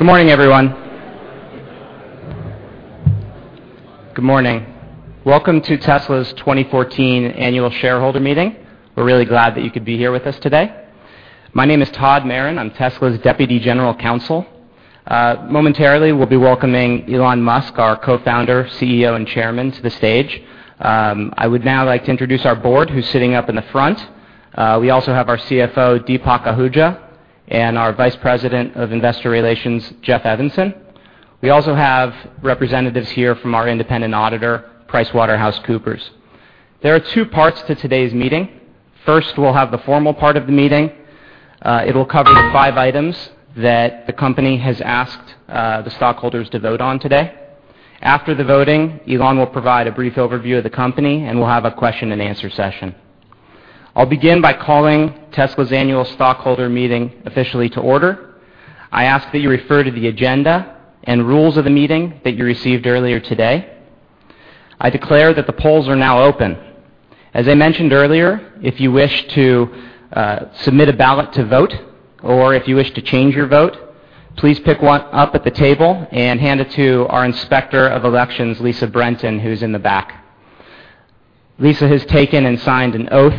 Good morning, everyone. Good morning. Welcome to Tesla's 2014 annual shareholder meeting. We're really glad that you could be here with us today. My name is Todd Maron. I'm Tesla's Deputy General Counsel. Momentarily, we'll be welcoming Elon Musk, our Co-founder, CEO, and Chairman to the stage. I would now like to introduce our board who's sitting up in the front. We also have our CFO, Deepak Ahuja, and our Vice President of Investor Relations, Jeff Evanson. We also have representatives here from our independent auditor, PricewaterhouseCoopers. There are two parts to today's meeting. First, we'll have the formal part of the meeting. It'll cover the five items that the company has asked the stockholders to vote on today. After the voting, Elon will provide a brief overview of the company, and we'll have a question-and-answer session. I'll begin by calling Tesla's annual stockholder meeting officially to order. I ask that you refer to the agenda and rules of the meeting that you received earlier today. I declare that the polls are now open. As I mentioned earlier, if you wish to submit a ballot to vote or if you wish to change your vote, please pick one up at the table and hand it to our Inspector of Elections, Lisa Brenton, who's in the back. Lisa has taken and signed an oath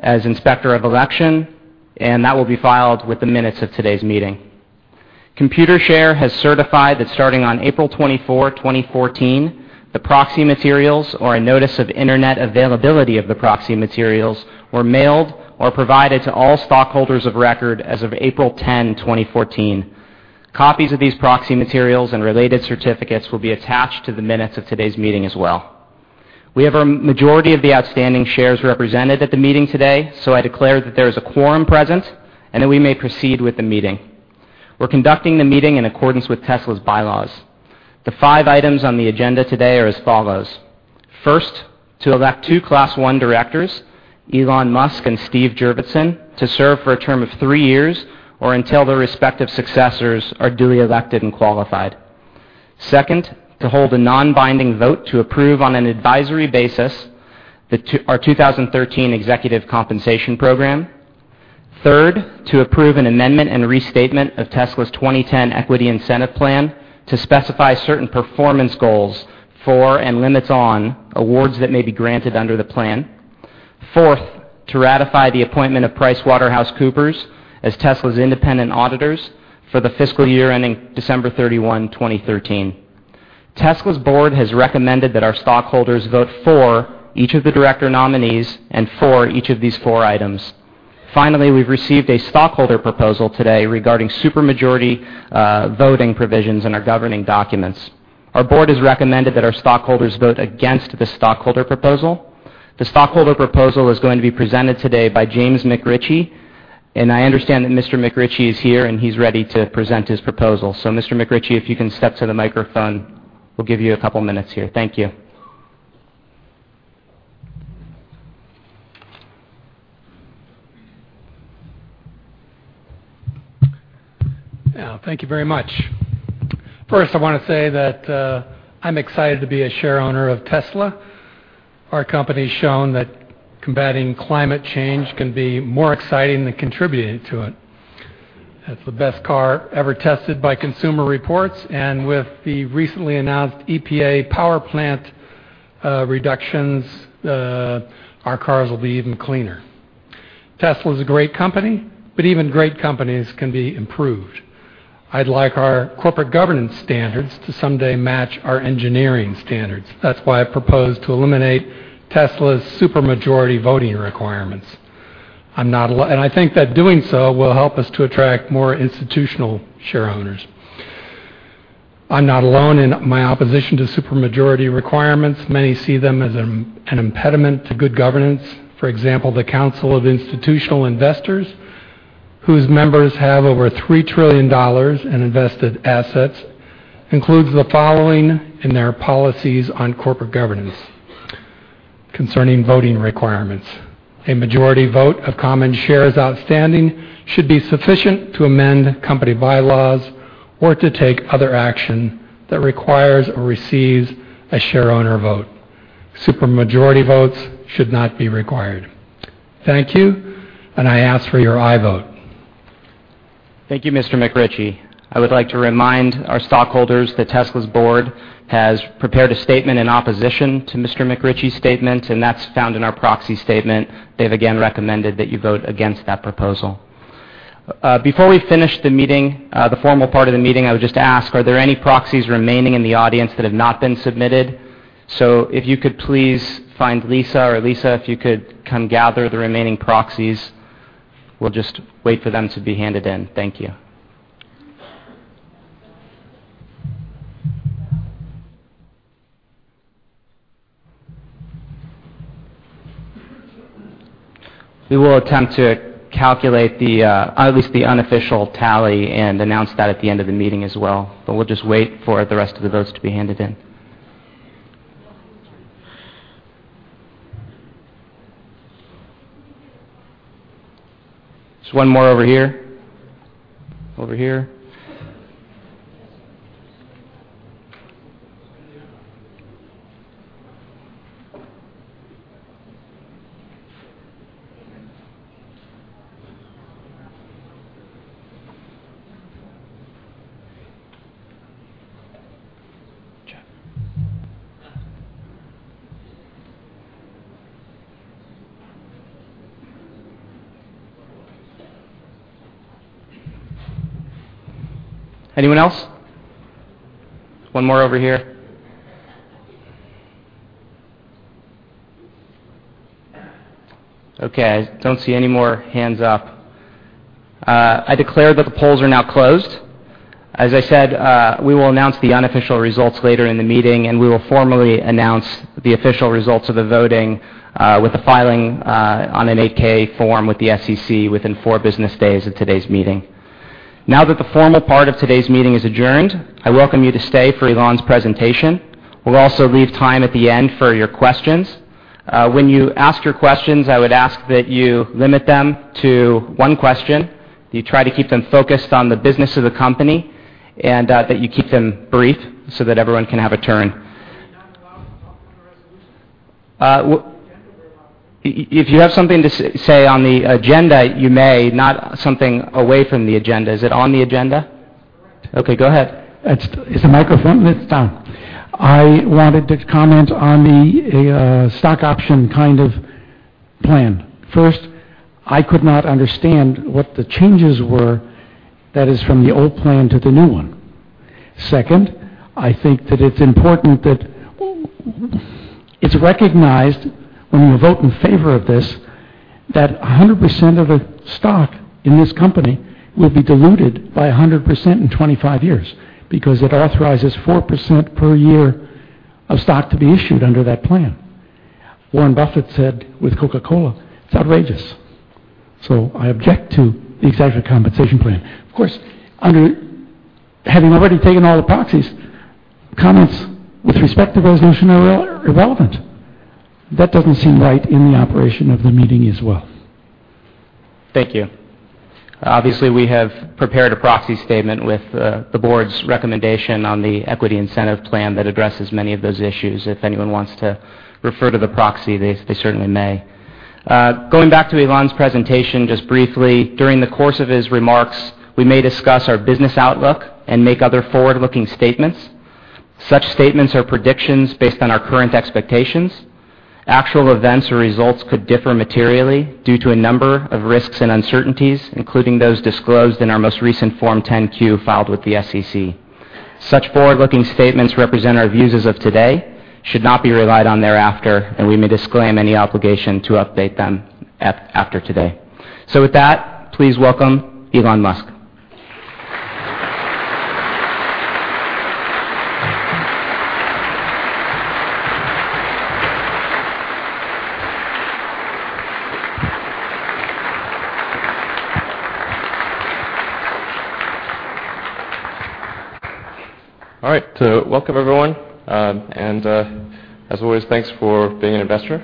as Inspector of Election, and that will be filed with the minutes of today's meeting. Computershare has certified that starting on April 24, 2014, the proxy materials or a notice of internet availability of the proxy materials were mailed or provided to all stockholders of record as of April 10, 2014. Copies of these proxy materials and related certificates will be attached to the minutes of today's meeting as well. We have our majority of the outstanding shares represented at the meeting today. I declare that there is a quorum present and that we may proceed with the meeting. We're conducting the meeting in accordance with Tesla's bylaws. The five items on the agenda today are as follows. First, to elect two Class 1 directors, Elon Musk and Steve Jurvetson, to serve for a term of three years or until their respective successors are duly elected and qualified. Second, to hold a non-binding vote to approve on an advisory basis our 2013 executive compensation program. Third, to approve an amendment and restatement of Tesla's 2010 Equity Incentive Plan to specify certain performance goals for and limits on awards that may be granted under the plan. Fourth, to ratify the appointment of PricewaterhouseCoopers as Tesla's independent auditors for the fiscal year ending December 31, 2013. Tesla's board has recommended that our stockholders vote for each of the director nominees and for each of these four items. Finally, we've received a stockholder proposal today regarding supermajority voting provisions in our governing documents. Our board has recommended that our stockholders vote against the stockholder proposal. The stockholder proposal is going to be presented today by James McRitchie, and I understand that Mr. McRitchie is here, and he's ready to present his proposal. Mr. McRitchie, if you can step to the microphone, we'll give you a couple minutes here. Thank you. Yeah, thank you very much. First, I wanna say that I'm excited to be a shareowner of Tesla. Our company's shown that combating climate change can be more exciting than contributing to it. That's the best car ever tested by Consumer Reports. With the recently announced EPA power plant reductions, our cars will be even cleaner. Tesla's a great company. Even great companies can be improved. I'd like our corporate governance standards to someday match our engineering standards. That's why I propose to eliminate Tesla's supermajority voting requirements. I think that doing so will help us to attract more institutional shareowners. I'm not alone in my opposition to supermajority requirements. Many see them as an impediment to good governance. For example, the Council of Institutional Investors, whose members have over $3 trillion in invested assets, includes the following in their policies on corporate governance concerning voting requirements. A majority vote of common shares outstanding should be sufficient to amend company bylaws or to take other action that requires or receives a shareowner vote. Supermajority votes should not be required. Thank you, and I ask for your aye vote. Thank you, Mr. McRitchie. I would like to remind our stockholders that Tesla's board has prepared a statement in opposition to Mr. McRitchie's statement, and that's found in our proxy statement. They've again recommended that you vote against that proposal. Before we finish the meeting, the formal part of the meeting, I would just ask, are there any proxies remaining in the audience that have not been submitted? If you could please find Lisa. Lisa, if you could come gather the remaining proxies, we'll just wait for them to be handed in. Thank you. We will attempt to calculate the at least the unofficial tally and announce that at the end of the meeting as well. We'll just wait for the rest of the votes to be handed in. Just one more over here. Over here. Anyone else? One more over here. Okay, I don't see any more hands up. I declare that the polls are now closed. As I said, we will announce the unofficial results later in the meeting, and we will formally announce the official results of the voting, with the filing, on a 8-K Form with the SEC within four business days of today's meeting. Now that the formal part of today's meeting is adjourned, I welcome you to stay for Elon's presentation. We'll also leave time at the end for your questions. When you ask your questions, I would ask that you limit them to one question, you try to keep them focused on the business of the company, and that you keep them brief so that everyone can have a turn. If you have something to say on the agenda, you may, not something away from the agenda. Is it on the agenda? Okay, go ahead. It's the microphone? It's on. I wanted to comment on the stock option kind of plan. First, I could not understand what the changes were, that is, from the old plan to the new one. Second, I think that it's important that it's recognized when we vote in favor of this that 100% of the stock in this company will be diluted by 100% in 25 years because it authorizes 4% per year of stock to be issued under that plan. Warren Buffett said with Coca-Cola, it's outrageous. I object to the executive compensation plan. Of course, having already taken all the proxies, comments with respect to resolution are irrelevant. That doesn't seem right in the operation of the meeting as well. Thank you. Obviously, we have prepared a proxy statement with the board's recommendation on the equity incentive plan that addresses many of those issues. If anyone wants to refer to the proxy, they certainly may. Going back to Elon's presentation just briefly, during the course of his remarks, we may discuss our business outlook and make other forward-looking statements. Such statements are predictions based on our current expectations. Actual events or results could differ materially due to a number of risks and uncertainties, including those disclosed in our most recent Form 10-Q filed with the SEC. Such forward-looking statements represent our views as of today, should not be relied on thereafter, we may disclaim any obligation to update them after today. With that, please welcome Elon Musk. All right, welcome everyone. As always, thanks for being an investor.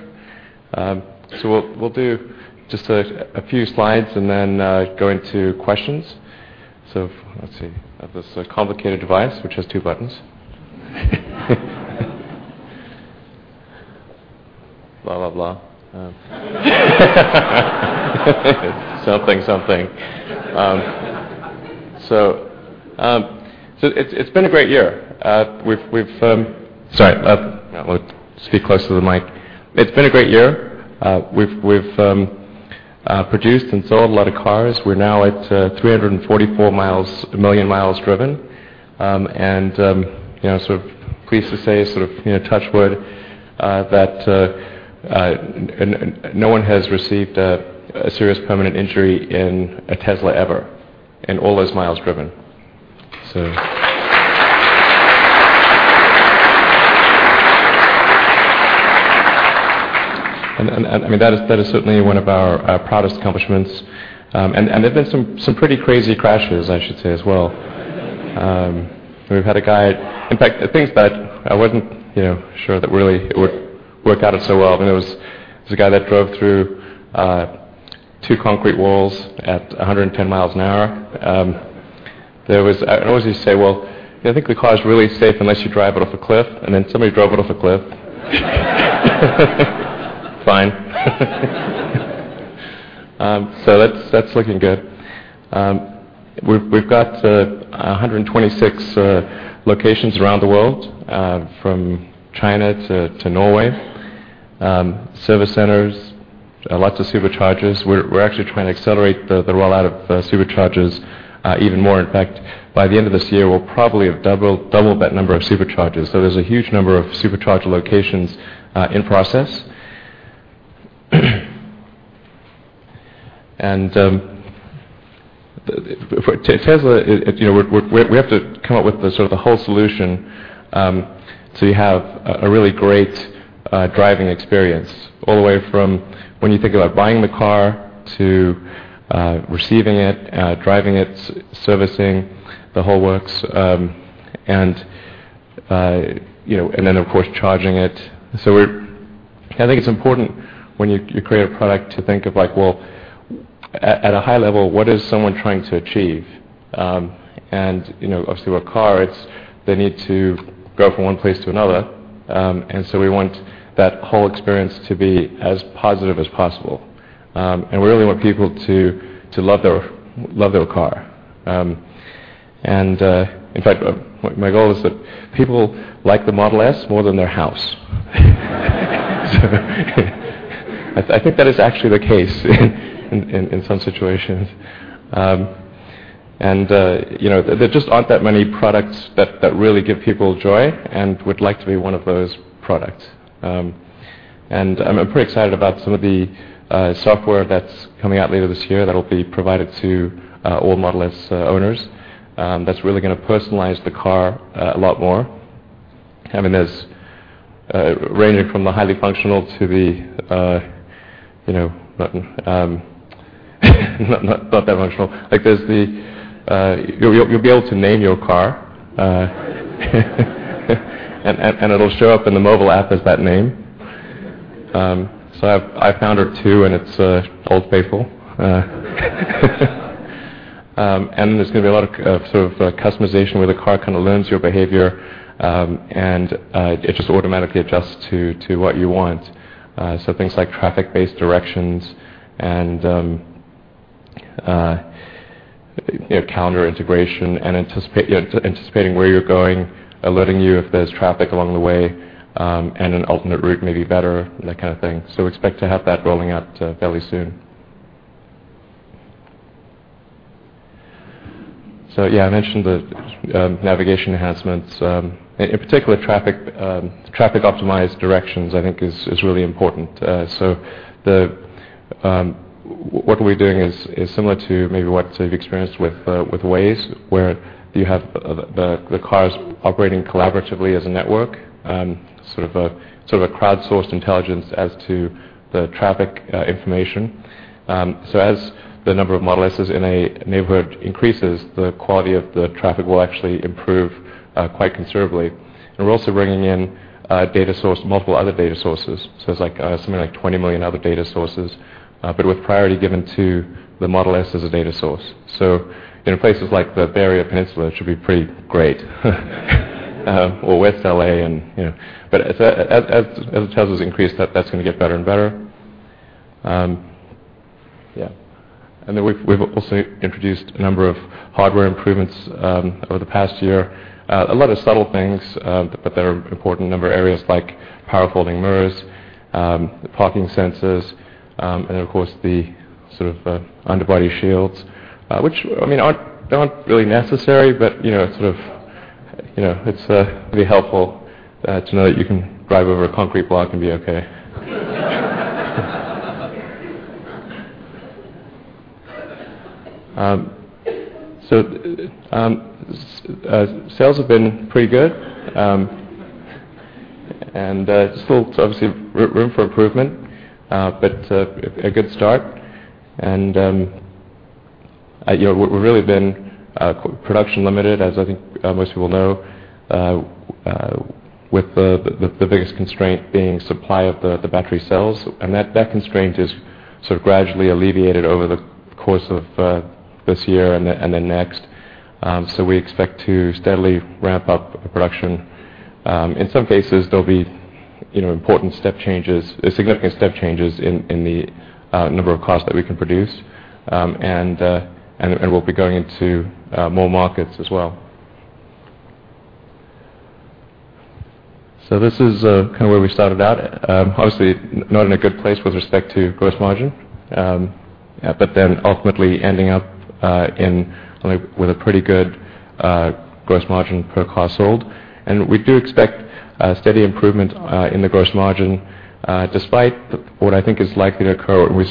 We'll do just a few slides and then go into questions. Let's see. I have this complicated device which has two buttons. Blah, blah. Something, something. It's been a great year. Sorry. Let's speak closer to the mic. It's been a great year. We've produced and sold a lot of cars. We're now at 344 million mi driven. You know, sort of pleased to say, sort of, you know, touch wood, that no one has received a serious permanent injury in a Tesla ever in all those miles driven. I mean, that is certainly one of our proudest accomplishments. And there's been some pretty crazy crashes, I should say as well. We've had a guy. In fact, the thing is that I wasn't, you know, sure that really it would work out so well. I mean, there was this guy that drove through two concrete walls at 110 mi/hour. I always used to say, "Well, you know, I think the car is really safe unless you drive it off a cliff," and then somebody drove it off a cliff. Fine. That's looking good. We've got 126 locations around the world, from China to Norway. Service centers, lots of Superchargers. We're actually trying to accelerate the rollout of Superchargers even more. In fact, by the end of this year, we'll probably have doubled that number of Superchargers. There's a huge number of Supercharger locations in process. For Tesla, it, you know, we're we have to come up with the sort of the whole solution to have a really great driving experience all the way from when you think about buying the car to receiving it, driving it, servicing, the whole works. You know, of course, charging it. I think it's important when you create a product to think of like, well, at a high level, what is someone trying to achieve? You know, obviously with cars, they need to go from one place to another. We want that whole experience to be as positive as possible. We really want people to love their car. In fact, my goal is that people like the Model S more than their house. I think that is actually the case in some situations. You know, there just aren't that many products that really give people joy, and we'd like to be one of those products. I'm pretty excited about some of the software that's coming out later this year that'll be provided to all Model S owners, that's really gonna personalize the car a lot more. I mean, there's ranging from the highly functional to the, you know, not, not that functional. Like, there's the, you'll, you'll be able to name your car. And, and it'll show up in the mobile app as that name. I've, I found her two, and it's Old Faithful. There's gonna be a lot of sort of customization where the car kinda learns your behavior, and it just automatically adjusts to what you want. Things like traffic-based directions and, you know, calendar integration and anticipating where you're going, alerting you if there's traffic along the way, and an alternate route may be better, and that kinda thing. Expect to have that rolling out fairly soon. I mentioned the navigation enhancements. In particular traffic-optimized directions, I think is really important. The what we're doing is similar to maybe what you've experienced with Waze, where you have the cars operating collaboratively as a network, a crowdsourced intelligence as to the traffic information. As the number of Model S's in a neighborhood increases, the quality of the traffic will actually improve quite considerably. We're also bringing in multiple other data sources, so it's like something like 20 million other data sources, but with priority given to the Model S as a data source. You know, places like the Bay Area Peninsula, it should be pretty great. Or West L.A., and, you know. As Teslas increase, that's gonna get better and better. Yeah. We've also introduced a number of hardware improvements over the past year. A lot of subtle things, but that are important. A number of areas like power-folding mirrors, parking sensors, of course the sort of underbody shields. Which, I mean, aren't really necessary, but, you know, it's sort of, you know, it's really helpful to know that you can drive over a concrete block and be okay. Sales have been pretty good. Still obviously room for improvement, a good start. You know, we're really been production limited, as I think most people know. With the biggest constraint being supply of the battery cells. That constraint is sort of gradually alleviated over the course of this year and the next. We expect to steadily ramp up production. In some cases, there'll be, you know, important step changes, significant step changes in the number of cars that we can produce. And we'll be going into more markets as well. This is kind of where we started out. Obviously not in a good place with respect to gross margin, ultimately ending up in only with a pretty good gross margin per car sold. We do expect steady improvement in the gross margin despite the, what I think is likely to occur, and we're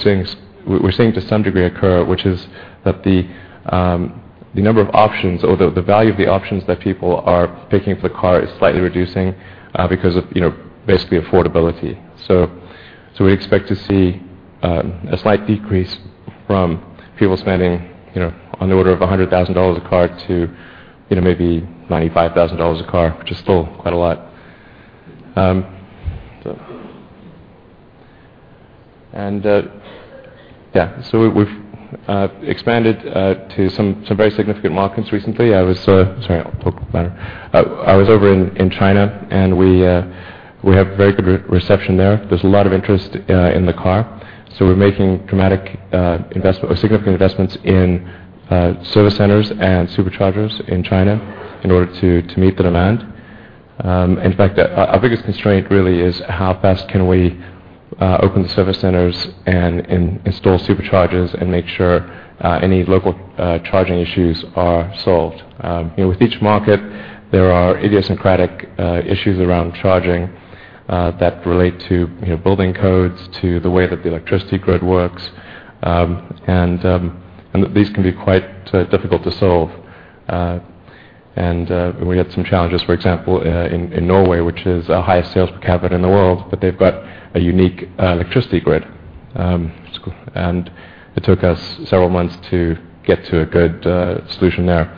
seeing to some degree occur, which is that the number of options or the value of the options that people are picking for the car is slightly reducing because of, you know, basically affordability. We expect to see a slight decrease from people spending on the order of $100,000 a car to maybe $95,000 a car, which is still quite a lot. We've expanded to some very significant markets recently. I was Sorry, I'll talk louder. I was over in China, and we have very good reception there. There's a lot of interest in the car. We're making dramatic or significant investments in service centers and Superchargers in China in order to meet the demand. In fact, our biggest constraint really is how fast can we open the service centers and install Superchargers and make sure any local charging issues are solved. You know, with each market, there are idiosyncratic issues around charging that relate to, you know, building codes, to the way that the electricity grid works. These can be quite difficult to solve. We had some challenges, for example, in Norway, which is our highest sales per capita in the world, but they've got a unique electricity grid. It took us several months to get to a good solution there.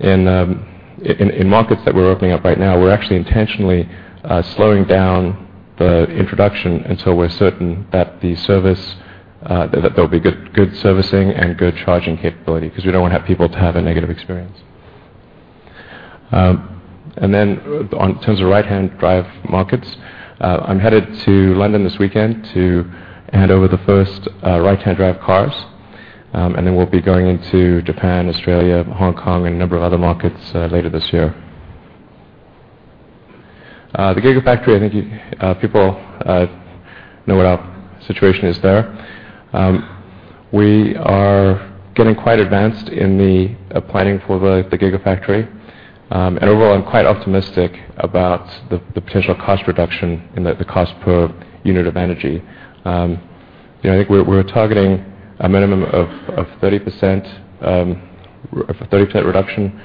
In markets that we're opening up right now, we're actually intentionally slowing down the introduction until we're certain that the service that there'll be good servicing and good charging capability, 'cause we don't wanna have people to have a negative experience. On terms of right-hand drive markets, I'm headed to London this weekend to hand over the first right-hand drive cars, and then we'll be going into Japan, Australia, Hong Kong, and a number of other markets later this year. The Gigafactory, I think you people know what our situation is there. We are getting quite advanced in the planning for the Gigafactory. Overall, I'm quite optimistic about the potential cost reduction and the cost per unit of energy. You know, I think we're targeting a minimum of 30%, a 30% reduction,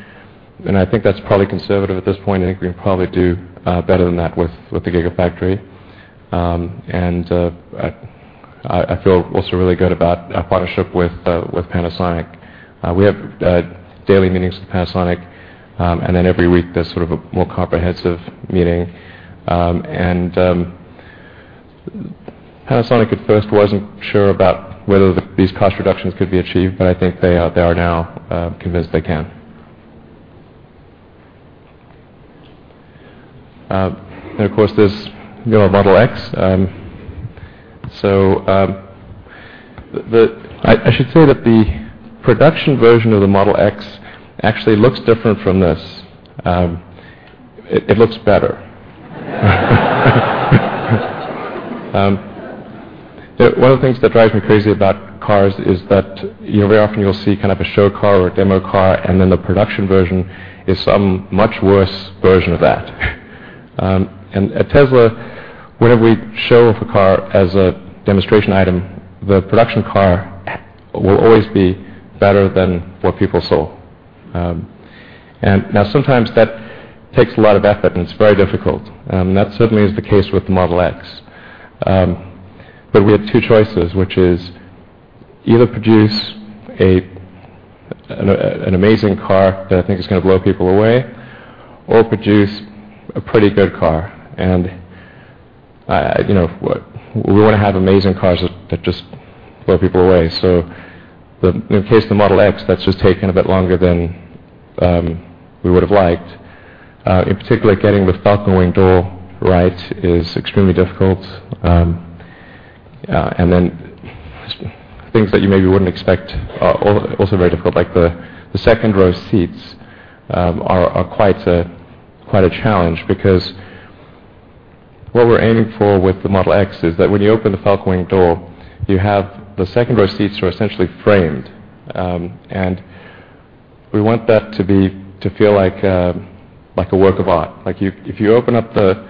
and I think that's probably conservative at this point. I think we can probably do better than that with the Gigafactory. I feel also really good about our partnership with Panasonic. We have daily meetings with Panasonic, every week there's sort of a more comprehensive meeting. Panasonic at first wasn't sure about whether these cost reductions could be achieved, but I think they are now convinced they can. Of course, there's, you know, our Model X. I should say that the production version of the Model X actually looks different from this. It looks better. One of the things that drives me crazy about cars is that, you know, very often you'll see kind of a show car or a demo car, the production version is some much worse version of that. At Tesla, whenever we show off a car as a demonstration item, the production car will always be better than what people saw. Now sometimes that takes a lot of effort, and it's very difficult. That certainly is the case with the Model X. We have two choices, which is either produce an amazing car that I think is gonna blow people away, or produce a pretty good car. I, you know, we wanna have amazing cars that just blow people away. In the case of the Model X, that's just taken a bit longer than we would have liked. In particular, getting the Falcon Wing door right is extremely difficult. Things that you maybe wouldn't expect are also very difficult, like the second row seats are quite a challenge because what we're aiming for with the Model X is that when you open the Falcon Wing door, you have the second row seats are essentially framed. We want that to feel like a work of art. Like, you, if you open up the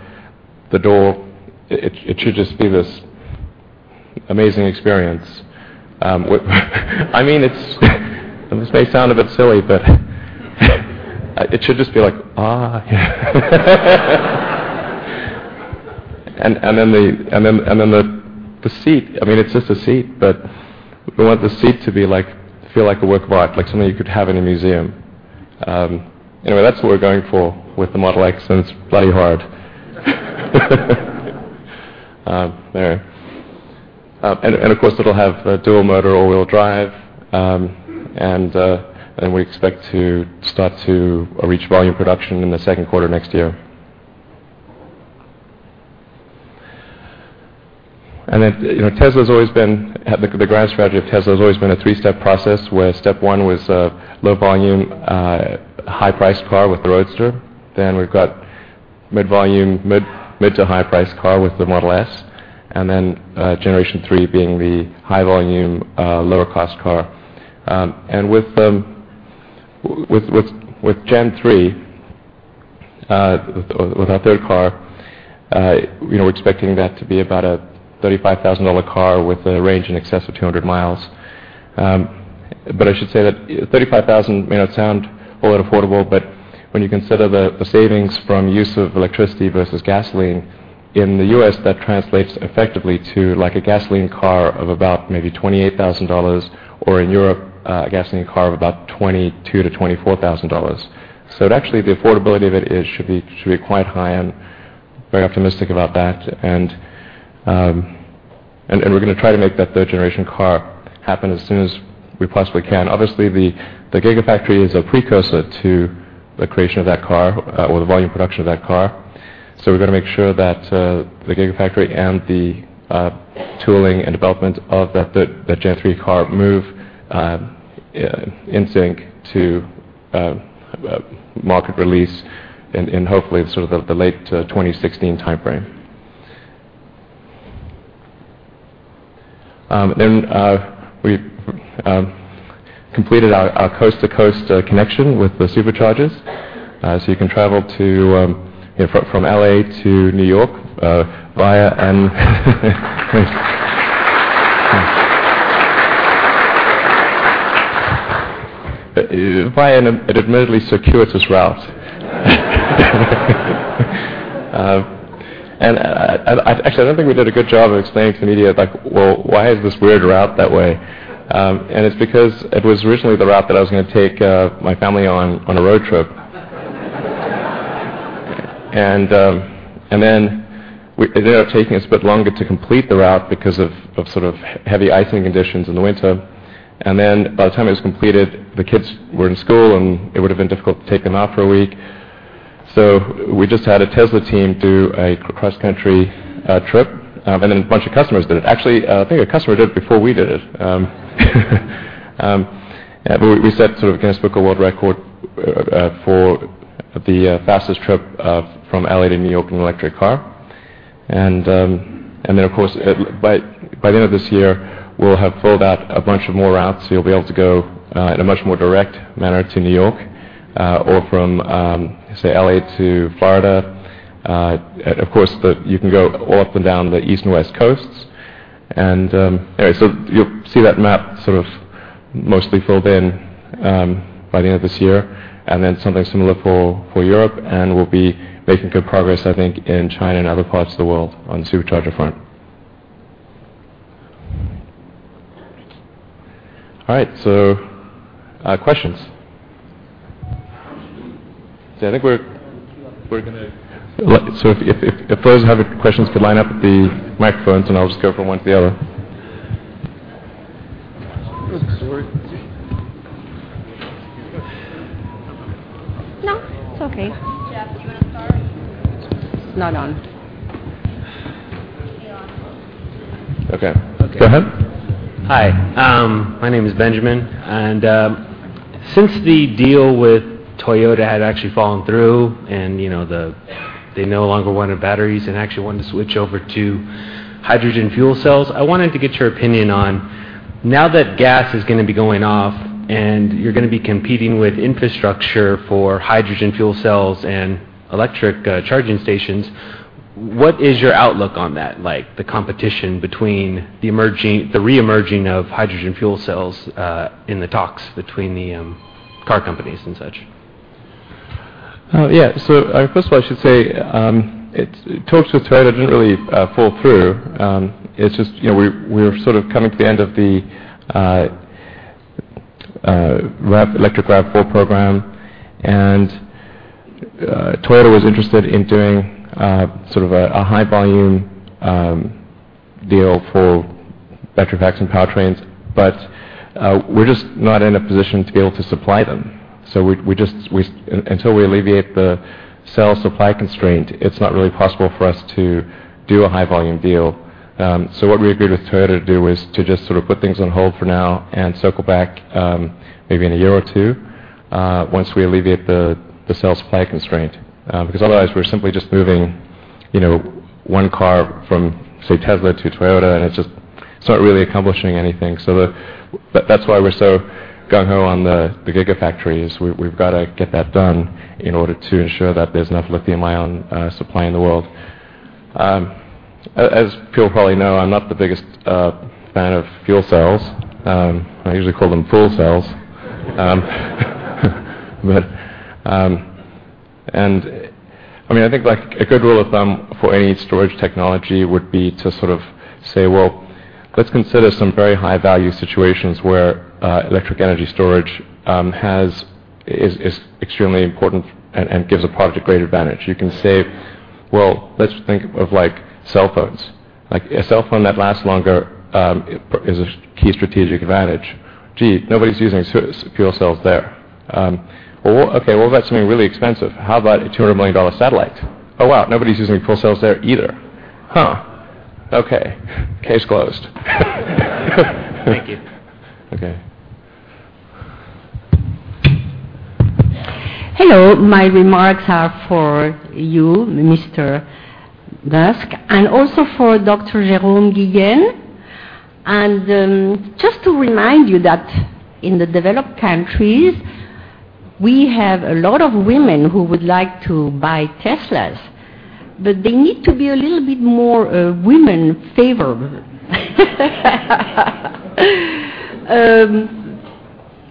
door, it should just be this amazing experience. I mean, it's this may sound a bit silly, but it should just be like, "Ah." The seat, I mean, it's just a seat, but we want the seat to feel like a work of art, like something you could have in a museum. Anyway, that's what we're going for with the Model X, and it's bloody hard. There. Of course, it'll have dual motor all-wheel drive. We expect to start to reach volume production in the second quarter next year. You know, the grand strategy of Tesla has always been a three-step process, where step one was a low volume, high priced car with the Roadster. We've got mid volume, mid to high priced car with the Model S. Generation 3 being the high volume, lower cost car. With Gen 3, with our third car, you know, we're expecting that to be about a $35,000 car with a range in excess of 200 mi. I should say that $35,000 may not sound all that affordable, but when you consider the savings from use of electricity versus gasoline, in the U.S. that translates effectively to like a gasoline car of about maybe $28,000, or in Europe, a gasoline car of about $22,000-$24,000. Actually, the affordability of it should be quite high. I'm very optimistic about that. We're gonna try to make that third-generation car happen as soon as we possibly can. Obviously, the Gigafactory is a precursor to the creation of that car, or the volume production of that car. We're gonna make sure that the Gigafactory and the tooling and development of that Gen 3 car move in sync to market release in hopefully sort of the late 2016 timeframe. We've completed our coast to coast connection with the Superchargers. You can travel to, you know, from L.A. to New York via an admittedly circuitous route. I, actually, I don't think we did a good job of explaining to the media like, well, why is this weird route that way? It's because it was originally the route that I was gonna take my family on a road trip. It ended up taking us a bit longer to complete the route because of heavy icing conditions in the winter. By the time it was completed, the kids were in school, and it would've been difficult to take them off for a week. We just had a Tesla team do a cross-country trip. A bunch of customers did it. Actually, I think a customer did it before we did it. We set a Guinness World Records for the fastest trip from L.A. to New York in an electric car. Of course, by the end of this year, we'll have rolled out a bunch of more routes. You'll be able to go in a much more direct manner to New York, or from, say, L.A. to Florida. Of course, you can go all up and down the east and west coasts. Anyway, you'll see that map sort of mostly filled in by the end of this year, and then something similar for Europe. We'll be making good progress, I think, in China and other parts of the world on the Supercharger front. All right, questions. If those who have questions could line up at the microphones, I'll just go from one to the other. No, it's okay. Jeff, do you wanna start? It's not on. Okay. Okay. Go ahead. Hi. My name is Benjamin. Since the deal with Toyota had actually fallen through and, you know, they no longer wanted batteries and actually wanted to switch over to hydrogen fuel cells, I wanted to get your opinion on now that gas is gonna be going off, and you're gonna be competing with infrastructure for hydrogen fuel cells and electric charging stations, what is your outlook on that, like the competition between the re-emerging of hydrogen fuel cells in the talks between the car companies and such? Yeah. First of all, I should say, talks with Toyota didn't really fall through. It's just, you know, we're sort of coming to the end of the electric RAV4 program. Toyota was interested in doing sort of a high-volume deal for battery packs and powertrains, but we're just not in a position to be able to supply them. Until we alleviate the cell supply constraint, it's not really possible for us to do a high-volume deal. What we agreed with Toyota to do is to just sort of put things on hold for now and circle back, maybe in a year or two, once we alleviate the cell supply constraint. Because otherwise we're simply just moving, you know, one car from, say, Tesla to Toyota, and it's just it's not really accomplishing anything. that's why we're so gung-ho on the Gigafactory, is we've gotta get that done in order to ensure that there's enough lithium-ion supply in the world. as people probably know, I'm not the biggest fan of fuel cells. I usually call them fool cells. I mean, I think, like, a good rule of thumb for any storage technology would be to sort of say, well, let's consider some very high-value situations where electric energy storage is extremely important and gives a product a great advantage. Well, let's think of, like, cell phones. A cell phone that lasts longer is a key strategic advantage. Gee, nobody's using fuel cells there. Well, okay, what about something really expensive? How about a $200 million satellite? Oh, wow, nobody's using fuel cells there either. Huh. Okay. Case closed. Thank you. Okay. Hello. My remarks are for you, Mr. Musk, also for Dr. Jerome Guillen. Just to remind you that in the developed countries, we have a lot of women who would like to buy Teslas, but they need to be a little bit more women-favored.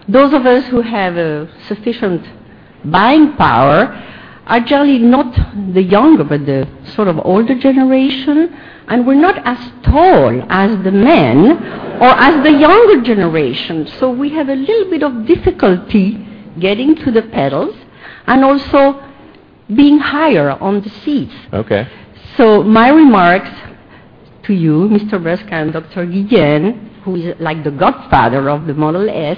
Those of us who have a sufficient buying power are generally not the younger, but the sort of older generation, and we're not as tall as the younger generation. We have a little bit of difficulty getting to the pedals and also being higher on the seats. Okay. My remarks to you, Mr. Musk and Dr. Guillen, who is like the godfather of the Model S,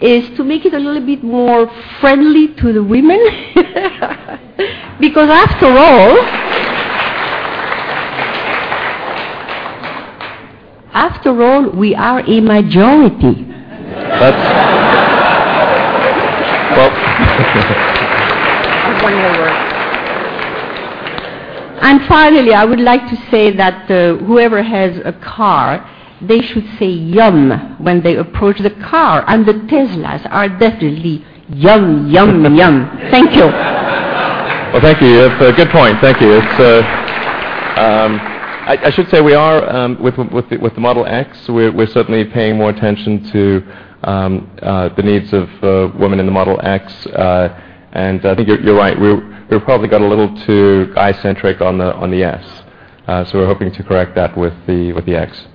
is to make it a little bit more friendly to the women. After all, we are a majority. Well. One more word. Finally, I would like to say that, whoever has a car, they should say "Yum" when they approach the car, and the Teslas are definitely "Yum, yum, yum". Thank you. Well, thank you. It's a good point. Thank you. I should say we are with the Model X, we're certainly paying more attention to the needs of women in the Model X. I think you're right. We've probably got a little too eye-centric on the S. We're hoping to correct that with the X.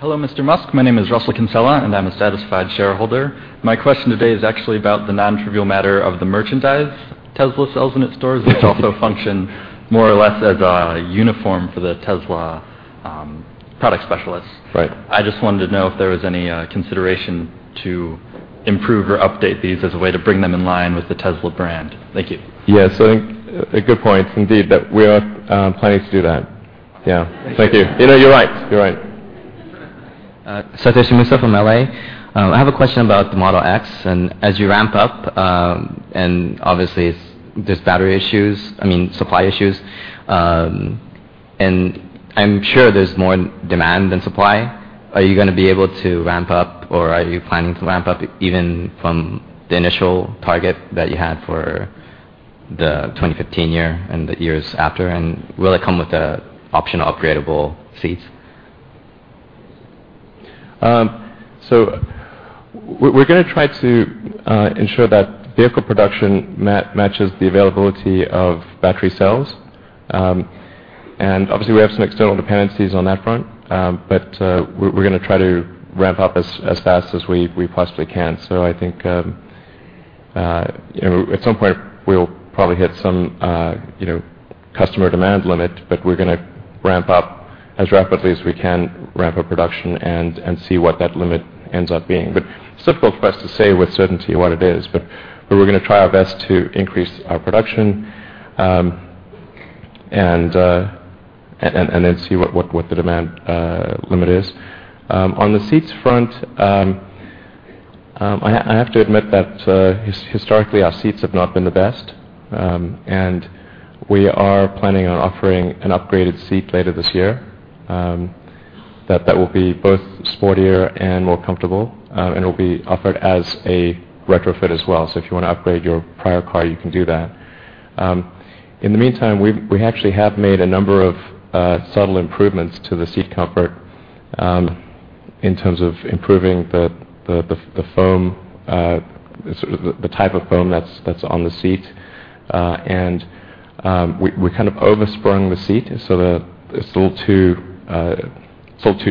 Hello, Mr. Musk. My name is Russell Kinsella, and I'm a satisfied shareholder. My question today is actually about the nontrivial matter of the merchandise Tesla sells in its stores, which also function more or less as a uniform for the Tesla product specialists. Right. I just wanted to know if there was any consideration to improve or update these as a way to bring them in line with the Tesla brand. Thank you. Yeah. I think a good point indeed that we are planning to do that. Yeah. Thank you. Thank you. You know, you're right. You're right. So this is Mitchell from L.A. I have a question about the Model X, and as you ramp up, and obviously it's, there's battery issues, I mean, supply issues, and I'm sure there's more demand than supply. Are you gonna be able to ramp up or are you planning to ramp up even from the initial target that you had for the 2015 year and the years after? Will it come with the option of upgradable seats? We're gonna try to ensure that vehicle production matches the availability of battery cells. Obviously we have some external dependencies on that front. We're gonna try to ramp up as fast as we possibly can. I think, you know, at some point we'll probably hit some, you know, customer demand limit, we're gonna ramp up as rapidly as we can ramp up production and see what that limit ends up being. It's difficult for us to say with certainty what it is, we're gonna try our best to increase our production, and then see what the demand limit is. On the seats front, I have to admit that historically our seats have not been the best. We are planning on offering an upgraded seat later this year that will be both sportier and more comfortable, and it will be offered as a retrofit as well. If you wanna upgrade your prior car, you can do that. In the meantime, we actually have made a number of subtle improvements to the seat comfort in terms of improving the foam, sort of the type of foam that's on the seat. We kind of oversprung the seat so that it's a little too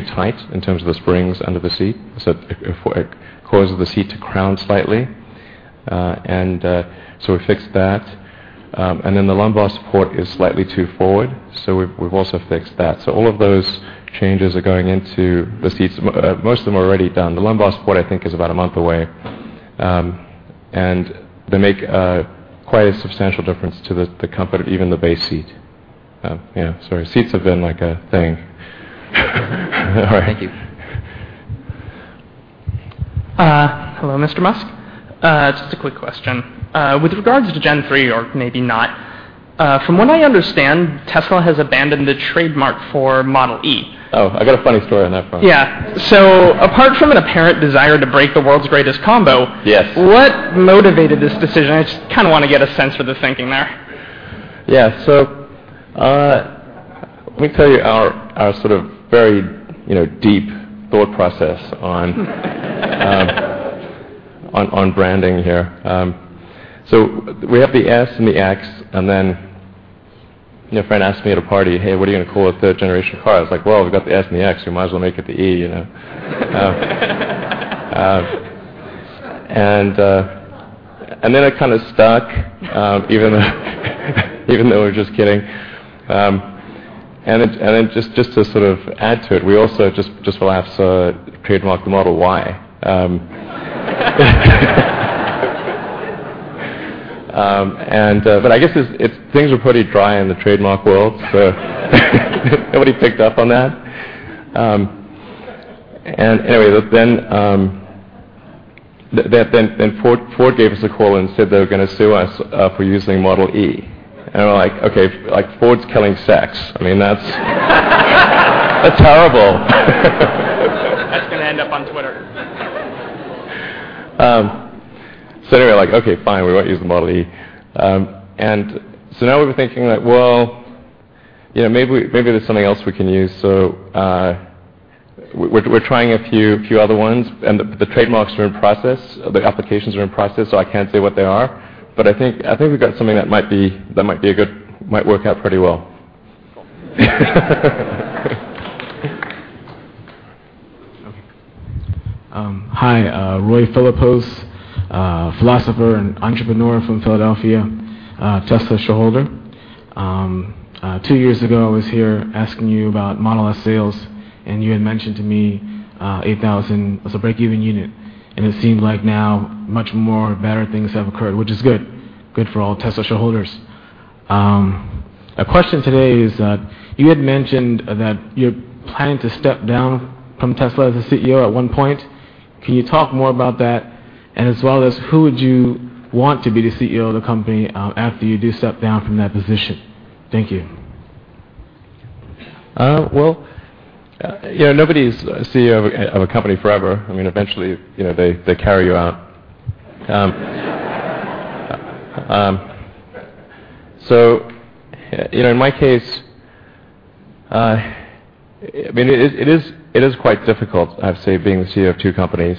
tight in terms of the springs under the seat. It causes the seat to crown slightly. We fixed that. The lumbar support is slightly too forward, so we've also fixed that. All of those changes are going into the seats. Most of them are already done. The lumbar support I think is about a month away. They make quite a substantial difference to the comfort of even the base seat. Yeah, our seats have been like a thing. All right. Hello, Mr. Musk. Just a quick question. With regards to Gen 3 or maybe not, from what I understand, Tesla has abandoned the trademark for Model E. Oh, I got a funny story on that front. Yeah. apart from an apparent desire to break the world's greatest combo. Yes. What motivated this decision? I just kinda wanna get a sense for the thinking there. Yeah. Let me tell you our sort of very, you know, deep thought process on branding here. We have the S and the X, and then, you know, a friend asked me at a party, "Hey, what are you gonna call a third generation car?" I was like, "Well, we've got the S and the X. We might as well make it the E, you know?" And then it kinda stuck, even though we were just kidding. And then just to sort of add to it, we also just for laughs, trademarked the Model Y. I guess it's things were pretty dry in the trademark world. Nobody picked up on that. Anyway, then, Ford gave us a call and said they were gonna sue us for using Model E. We're like, "Okay, like Ford's killing S.E.X." I mean, that's terrible. That's gonna end up on Twitter. Anyway, like, okay, fine, we won't use the Model E. Now we were thinking like, well, you know, maybe there's something else we can use. We're trying a few other ones and the trademarks are in process. The applications are in process. I can't say what they are. I think we've got something that might be that might work out pretty well. Hi, Roy Philipose, philosopher and entrepreneur from Philadelphia, Tesla shareholder. Two years ago, I was here asking you about Model S sales, and you had mentioned to me, 8,000 was a break-even unit. It seems like now much more better things have occurred, which is good for all Tesla shareholders. My question today is, you had mentioned that you're planning to step down from Tesla as a CEO at one point. Can you talk more about that? As well as who would you want to be the CEO of the company, after you do step down from that position? Thank you. Well, you know, nobody's CEO of a, of a company forever. I mean, eventually, you know, they carry you out. You know, in my case, I mean, it is, it is, it is quite difficult, I have to say, being the CEO of two companies.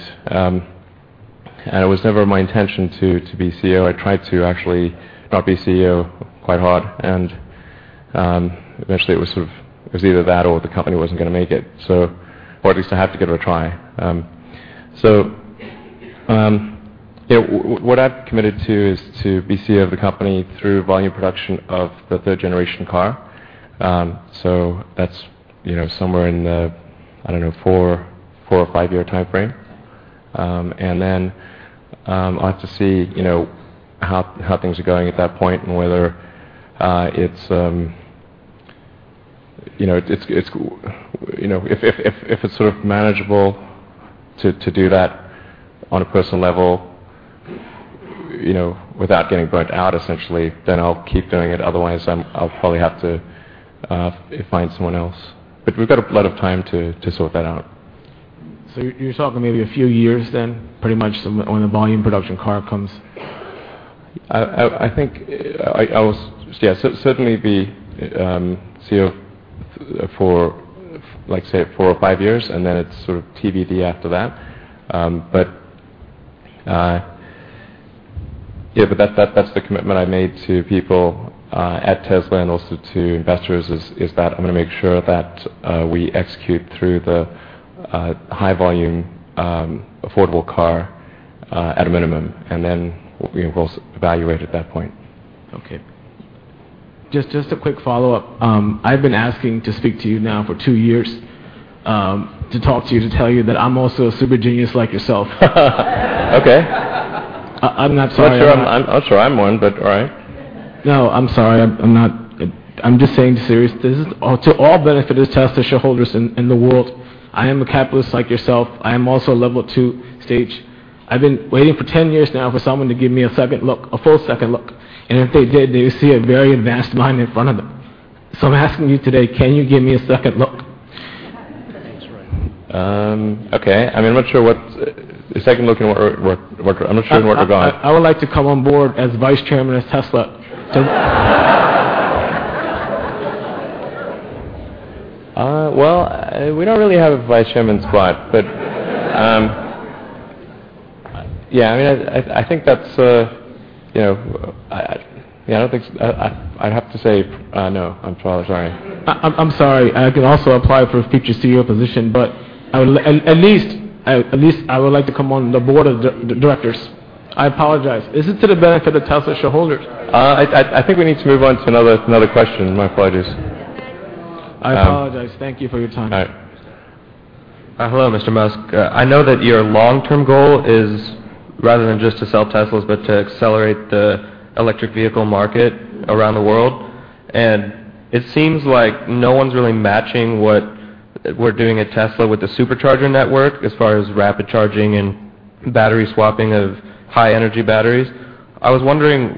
It was never my intention to be CEO. I tried to actually not be CEO quite hard, and eventually it was sort of, it was either that or the company wasn't gonna make it. Or at least I have to give it a try. Yeah, what I've committed to is to be CEO of the company through volume production of the third generation car. That's, you know, somewhere in the, I don't know, four or five-year timeframe. I'll have to see, you know, how things are going at that point and whether it's, you know, it's, you know, if, if it's sort of manageable to do that on a personal level, you know, without getting burnt out essentially, then I'll keep doing it. Otherwise, I'll probably have to find someone else. We've got a lot of time to sort that out. You're talking maybe a few years then, pretty much when the volume production car comes? I think I certainly be CEO for like, say, four or five years, and then it's sort of TBD after that. That's the commitment I made to people at Tesla and also to investors is that I'm gonna make sure that we execute through the high volume, affordable car at a minimum, and then we will evaluate at that point. Okay. Just a quick follow-up. I've been asking to speak to you now for two years, to talk to you, to tell you that I'm also a super genius like yourself. Okay. I'm not sorry. I'm sure I'm one, but all right. No, I'm sorry. I'm just saying serious. This is all to all benefit of Tesla shareholders in the world. I am a capitalist like yourself. I am also a level 2 stage. I've been waiting for 10 years now for someone to give me a second look, a full second look, if they did, they would see a very advanced mind in front of them. I'm asking you today, can you give me a second look? Okay. I mean, I'm not sure what a second look and I'm not sure where we're going. I would like to come on board as vice chairman of Tesla. Well, we don't really have a vice chairman spot, but, yeah, I mean, I think that's, you know, yeah, I don't think so. I'd have to say, no. I'm so sorry. I'm sorry. I can also apply for a future CEO position, but at least I would like to come on the board of directors. I apologize. This is to the benefit of Tesla shareholders. I think we need to move on to another question. My apologies. I apologize. Thank you for your time. All right. Hello, Mr. Musk. I know that your long-term goal is rather than just to sell Teslas, but to accelerate the electric vehicle market around the world. It seems like no one's really matching what we're doing at Tesla with the Supercharger network as far as rapid charging and battery swapping of high energy batteries. I was wondering,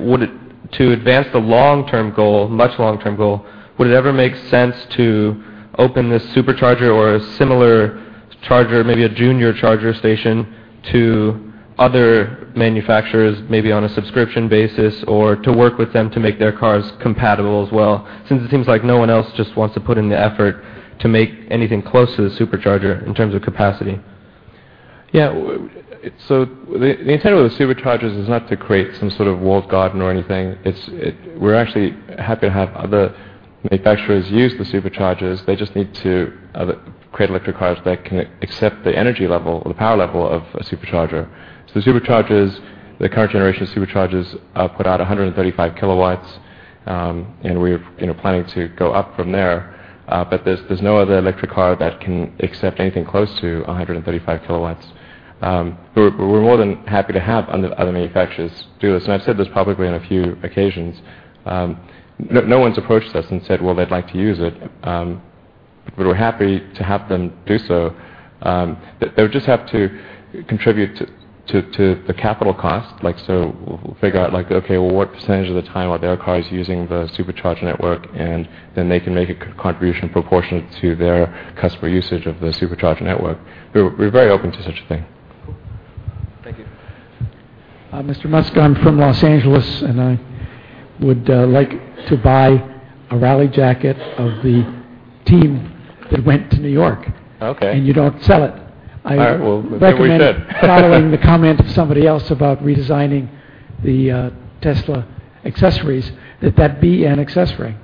to advance the long-term goal, much long-term goal, would it ever make sense to open this Supercharger or a similar charger, maybe a junior charger station, to other manufacturers, maybe on a subscription basis, or to work with them to make their cars compatible as well? Since it seems like no one else just wants to put in the effort to make anything close to the Supercharger in terms of capacity. So the intent of the Superchargers is not to create some sort of walled garden or anything. We're actually happy to have other manufacturers use the Superchargers. They just need to create electric cars that can accept the energy level or the power level of a Supercharger. The Superchargers, the current generation of Superchargers, put out 135 kW, and we're, you know, planning to go up from there. There's no other electric car that can accept anything close to 135 kW. We're more than happy to have other manufacturers do this, and I've said this publicly on a few occasions. No one's approached us and said, well, they'd like to use it. We're happy to have them do so. They would just have to contribute to the capital cost. Like, so figure out like, okay, well, what percentage of the time are their cars using the Supercharger network? They can make a contribution proportionate to their customer usage of the Supercharger network. We're very open to such a thing. Thank you. Mr. Musk, I'm from Los Angeles, and I would like to buy a rally jacket of the team that went to New York. Okay. You don't sell it. All right. Well, maybe we should. I recommend following the comment of somebody else about redesigning the Tesla accessories, that that be an accessory.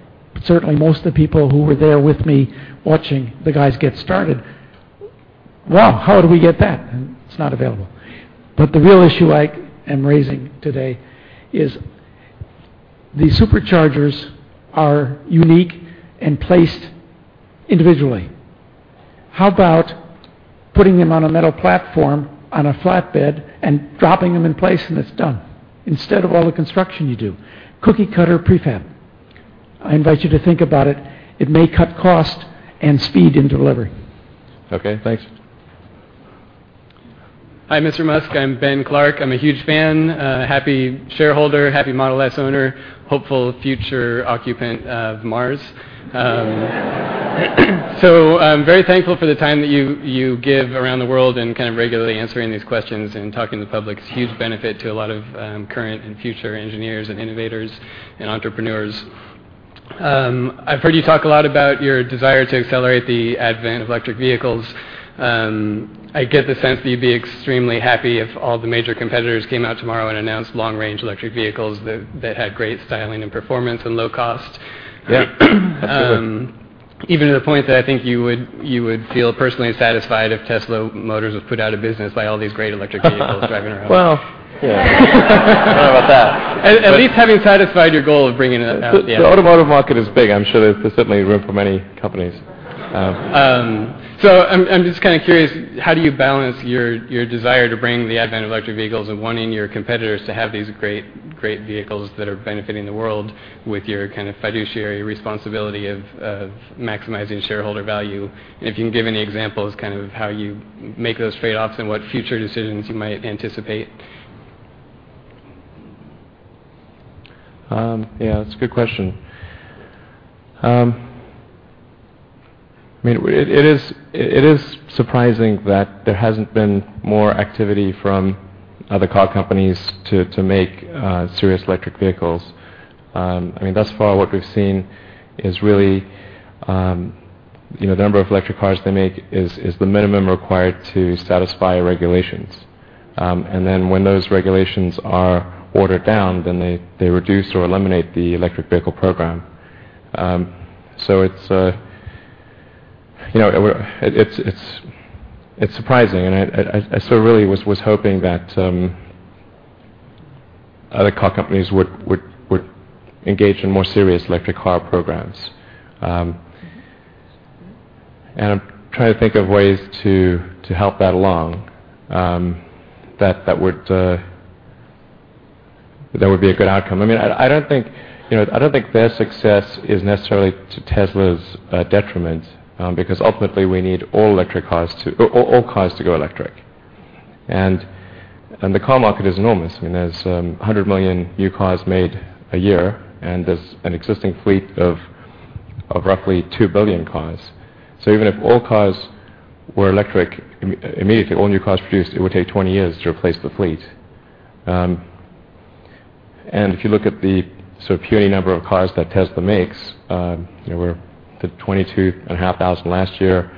Certainly, most of the people who were there with me watching the guys get started, "Wow, how do we get that?" It's not available. The real issue I am raising today is the Superchargers are unique and placed individually. How about putting them on a metal platform on a flatbed and dropping them in place, and it's done, instead of all the construction you do? Cookie cutter prefab. I invite you to think about it. It may cut cost and speed in delivery. Okay. Thanks. Hi, Mr. Musk. I'm Ben Clark. I'm a huge fan, a happy shareholder, happy Model S owner, hopeful future occupant of Mars. I'm very thankful for the time that you give around the world and kind of regularly answering these questions and talking to the public. It's a huge benefit to a lot of current and future engineers and innovators and entrepreneurs. I've heard you talk a lot about your desire to accelerate the advent of electric vehicles. I get the sense that you'd be extremely happy if all the major competitors came out tomorrow and announced long-range electric vehicles that had great styling and performance and low cost. Yeah. Absolutely. Even to the point that I think you would feel personally unsatisfied if Tesla Motors was put out of business by all these great electric vehicles driving around. Well, yeah. I don't know about that. At least having satisfied your goal of bringing that out. The automotive market is big. I'm sure there's certainly room for many companies. I'm just kinda curious, how do you balance your desire to bring the advent of electric vehicles and wanting your competitors to have these great vehicles that are benefiting the world with your kind of fiduciary responsibility of maximizing shareholder value? If you can give any examples kind of how you make those trade-offs and what future decisions you might anticipate. Yeah, that's a good question. I mean, it is surprising that there hasn't been more activity from other car companies to make serious electric vehicles. I mean, thus far what we've seen is really, you know, the number of electric cars they make is the minimum required to satisfy regulations. When those regulations are ordered down, then they reduce or eliminate the electric vehicle program. It's, you know, it's surprising. I sort of really was hoping that other car companies would engage in more serious electric car programs. I'm trying to think of ways to help that along that would be a good outcome. I mean, I don't think their success is necessarily to Tesla's detriment, because ultimately we need all cars to go electric. The car market is enormous. I mean, there's 100 million new cars made a year, and there's an existing fleet of roughly 2 billion cars. Even if all cars were electric immediately, all new cars produced, it would take 20 years to replace the fleet. If you look at the sort of puny number of cars that Tesla makes, we're the 22,500 last year.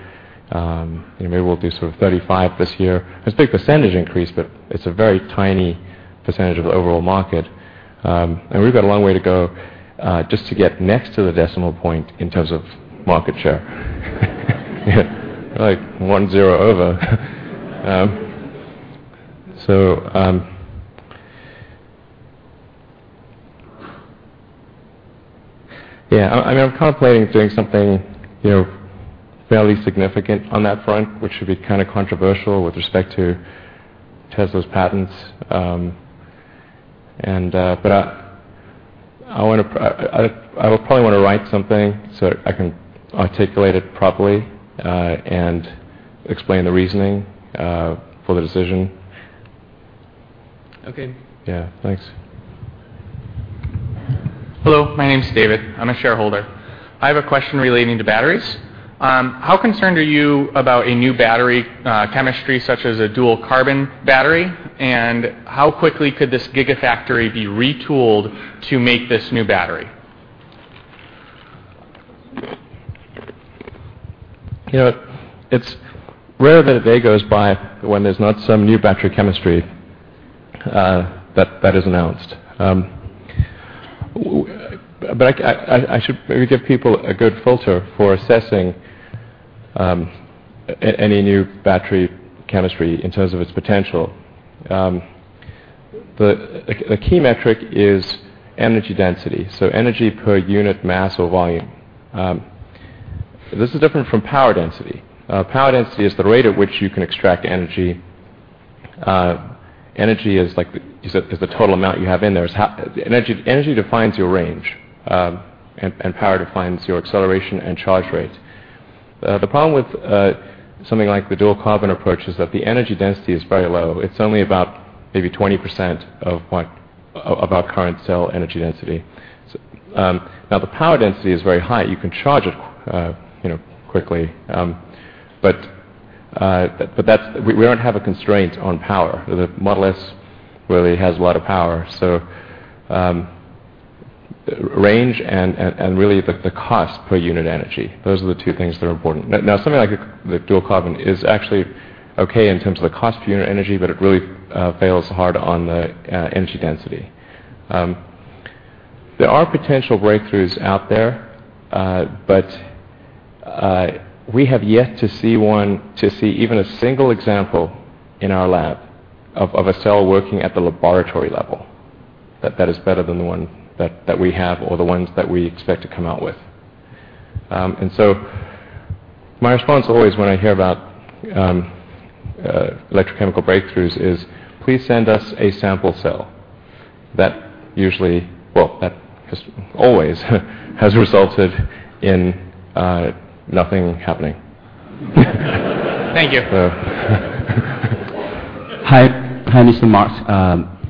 Maybe we'll do sort of 35,000 this year. It's a big percentage increase, but it's a very tiny percentage of the overall market. We've got a long way to go just to get next to the decimal point in terms of market share. Yeah, like one zero over. Yeah, I mean, I'm contemplating doing something, you know, fairly significant on that front, which would be kinda controversial with respect to Tesla's patents. I would probably wanna write something so that I can articulate it properly and explain the reasoning for the decision. Okay. Yeah. Thanks. Hello. My name's David. I'm a shareholder. I have a question relating to batteries. How concerned are you about a new battery chemistry such as a dual-carbon battery? How quickly could this Gigafactory be retooled to make this new battery? You know, it's rare that a day goes by when there's not some new battery chemistry that is announced. I should maybe give people a good filter for assessing any new battery chemistry in terms of its potential. A key metric is energy density, so energy per unit mass or volume. This is different from power density. Power density is the rate at which you can extract energy. Energy is like the total amount you have in there. Energy defines your range, and power defines your acceleration and charge rate. The problem with something like the dual carbon approach is that the energy density is very low. It's only about maybe 20% of our current cell energy density. Now the power density is very high. You can charge it, you know, quickly. We don't have a constraint on power. The Model S really has a lot of power. Range and really the cost per unit energy, those are the two things that are important. Now something like a dual-carbon is actually okay in terms of the cost per unit energy, but it really fails hard on the energy density. There are potential breakthroughs out there, but we have yet to see one, to see even a single example in our lab of a cell working at the laboratory level that is better than the one that we have or the ones that we expect to come out with. My response always when I hear about electrochemical breakthroughs is, "Please send us a sample cell." That usually, well, that has always resulted in nothing happening. Thank you. Hi. Hi, Mr. Musk.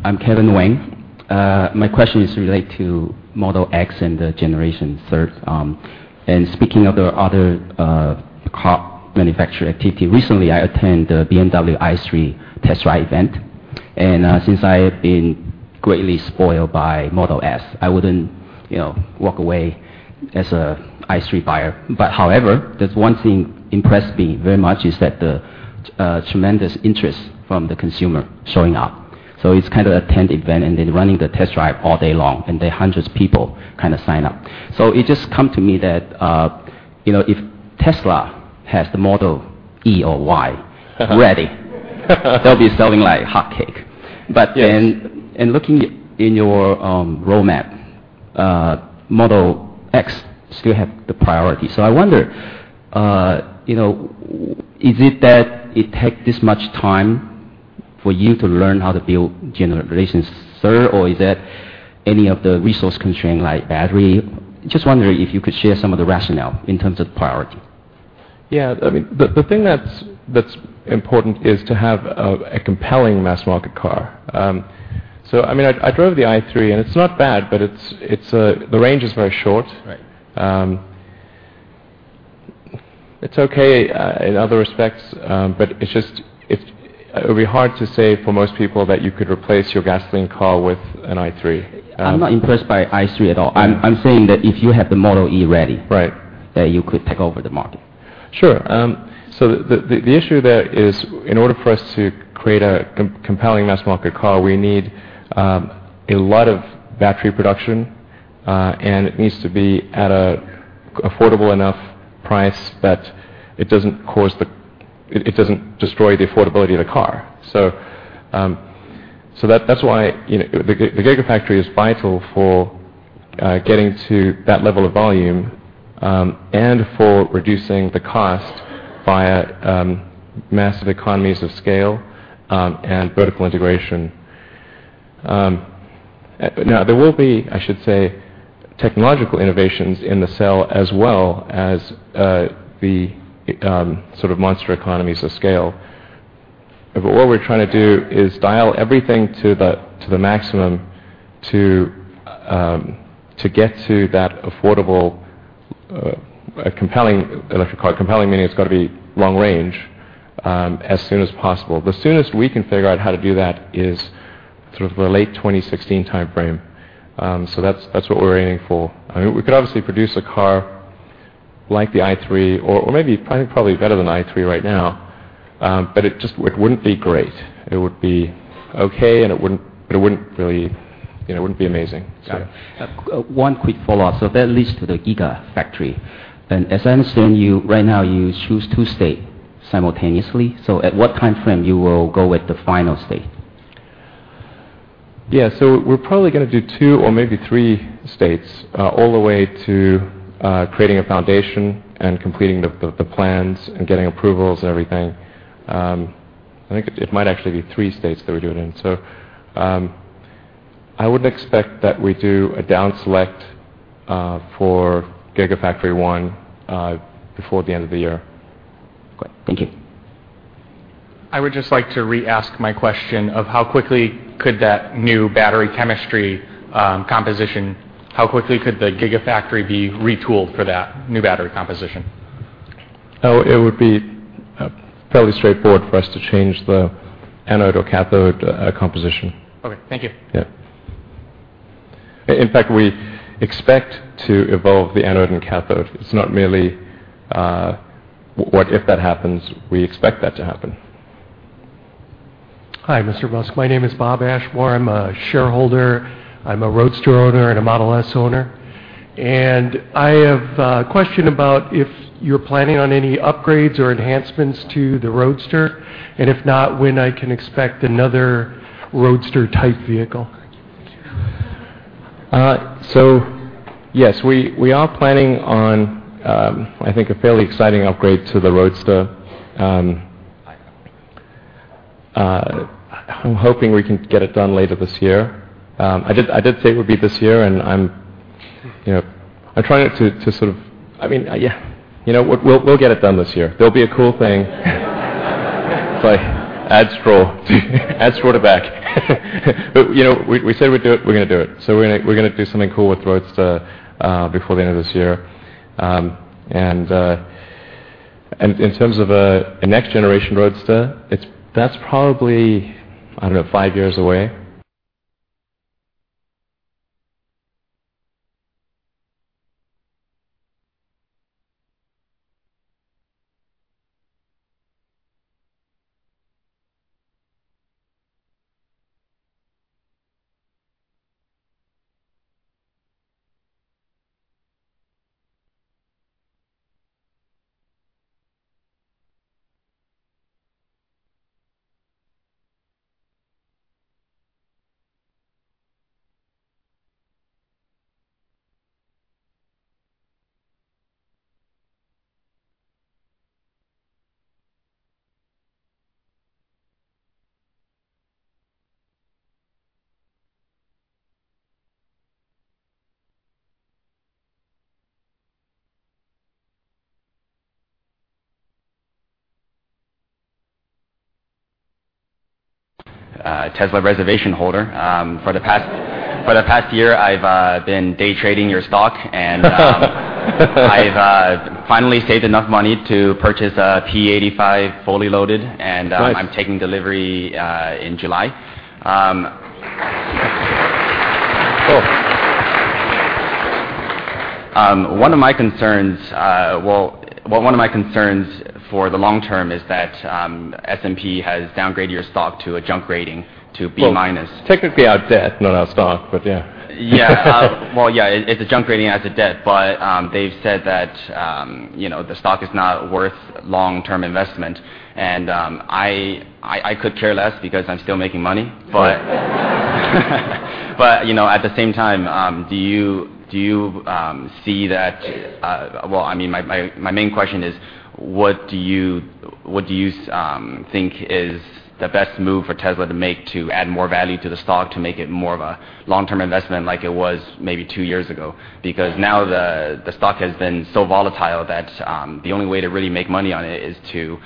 I'm Kevin Wang. My question is related to Model X and the Generation 3. Speaking of the other car manufacturer activity, recently I attended the BMW i3 test drive event. Since I have been greatly spoiled by Model S, I wouldn't, you know, walk away as a i3 buyer. However, there's one thing impressed me very much is that the tremendous interest from the consumer showing up. It's kind of a tented event, and they're running the test drive all day long, and there are hundreds of people kind of sign up. It just come to me that, you know, if Tesla has the Model E or Y ready, they'll be selling like hot cake. Yeah. Looking in your roadmap, Model X still have the priority. I wonder, you know, is it that it take this much time for you to learn how to build general production, sir, or is it any of the resource constraint like battery? Just wondering if you could share some of the rationale in terms of the priority. Yeah, I mean, the thing that's important is to have a compelling mass market car. I mean, I drove the i3, and it's not bad, but it's the range is very short. Right. It's okay, in other respects, but it would be hard to say for most people that you could replace your gasoline car with an i3. I'm not impressed by i3 at all. I'm saying that if you have the Model E ready. Right That you could take over the market. Sure. The issue there is in order for us to create a compelling mass market car, we need a lot of battery production, and it needs to be at a affordable enough price that it doesn't destroy the affordability of the car. That's why, you know, the Gigafactory is vital for getting to that level of volume, and for reducing the cost via massive economies of scale, and vertical integration. Now, there will be, I should say, technological innovations in the cell as well as the sort of monster economies of scale. What we're trying to do is dial everything to the maximum to get to that affordable, compelling electric car. Compelling meaning it's gotta be long range as soon as possible. The soonest we can figure out how to do that is sort of the late 2016 timeframe. That's, that's what we're aiming for. I mean, we could obviously produce a car like the i3 or maybe probably better than the i3 right now. It wouldn't be great. It would be okay. It wouldn't really, you know, it wouldn't be amazing. Got it. One quick follow-up. That leads to the Gigafactory. As I understand you, right now you choose two states simultaneously. At what timeframe you will go with the final state? Yeah. We're probably gonna do two or maybe three states, all the way to creating a foundation and completing the plans and getting approvals and everything. I think it might actually be three states that we do it in. I would expect that we do a down select for Gigafactory 1, before the end of the year. Okay. Thank you. I would just like to re-ask my question of how quickly could the Gigafactory be retooled for that new battery composition? It would be fairly straightforward for us to change the anode or cathode composition. Okay. Thank you. Yeah. In fact, we expect to evolve the anode and cathode. It's not merely what if that happens. We expect that to happen. Hi, Mr. Musk. My name is Bob Ashmore. I am a shareholder. I am a Roadster owner and a Model S owner. I have a question about if you are planning on any upgrades or enhancements to the Roadster, and if not, when I can expect another Roadster-type vehicle. Yes, we are planning on, I think a fairly exciting upgrade to the Roadster. I'm hoping we can get it done later this year. I did say it would be this year, I'm, you know, I'm trying to sort of I mean, yeah, you know, we'll get it done this year. It'll be a cool thing. It's like add scroll. Add scroll to back. You know, we said we'd do it, we're gonna do it. We're gonna do something cool with the Roadster before the end of this year. In terms of a next generation Roadster, that's probably, I don't know, five years away. Tesla reservation holder. For the past year, I've been day trading your stock. I've finally saved enough money to purchase a P85 fully loaded. Good. I'm taking delivery, in July. Cool. One of my concerns, well, one of my concerns for the long term is that S&P has downgraded your stock to a junk rating to B-. Well, technically our debt, not our stock, but yeah. Yeah. well, yeah, it's a junk rating as a debt, but, they've said that, you know, the stock is not worth long-term investment. I could care less because I'm still making money. Good. You know, at the same time, do you see that, Well, I mean, my main question is: what do you think is the best move for Tesla to make to add more value to the stock to make it more of a long-term investment like it was maybe two years ago? Because now the stock has been so volatile that the only way to really make money on it is to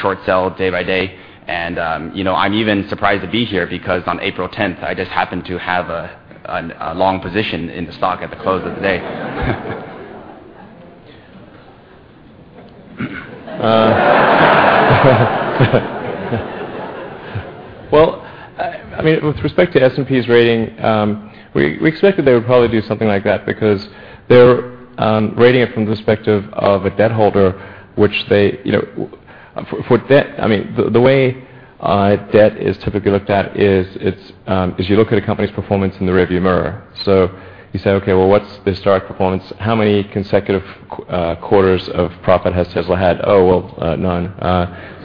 short sell day by day. You know, I'm even surprised to be here because on April 10th, I just happened to have a long position in the stock at the close of the day. Well, I mean, with respect to S&P's rating, we expected they would probably do something like that because they're rating it from the perspective of a debt holder, which they, you know, for debt, I mean, the way debt is typically looked at is it's, is you look at a company's performance in the rearview mirror. You say, "Okay, well what's the historic performance? How many consecutive quarters of profit has Tesla had?" Well, none,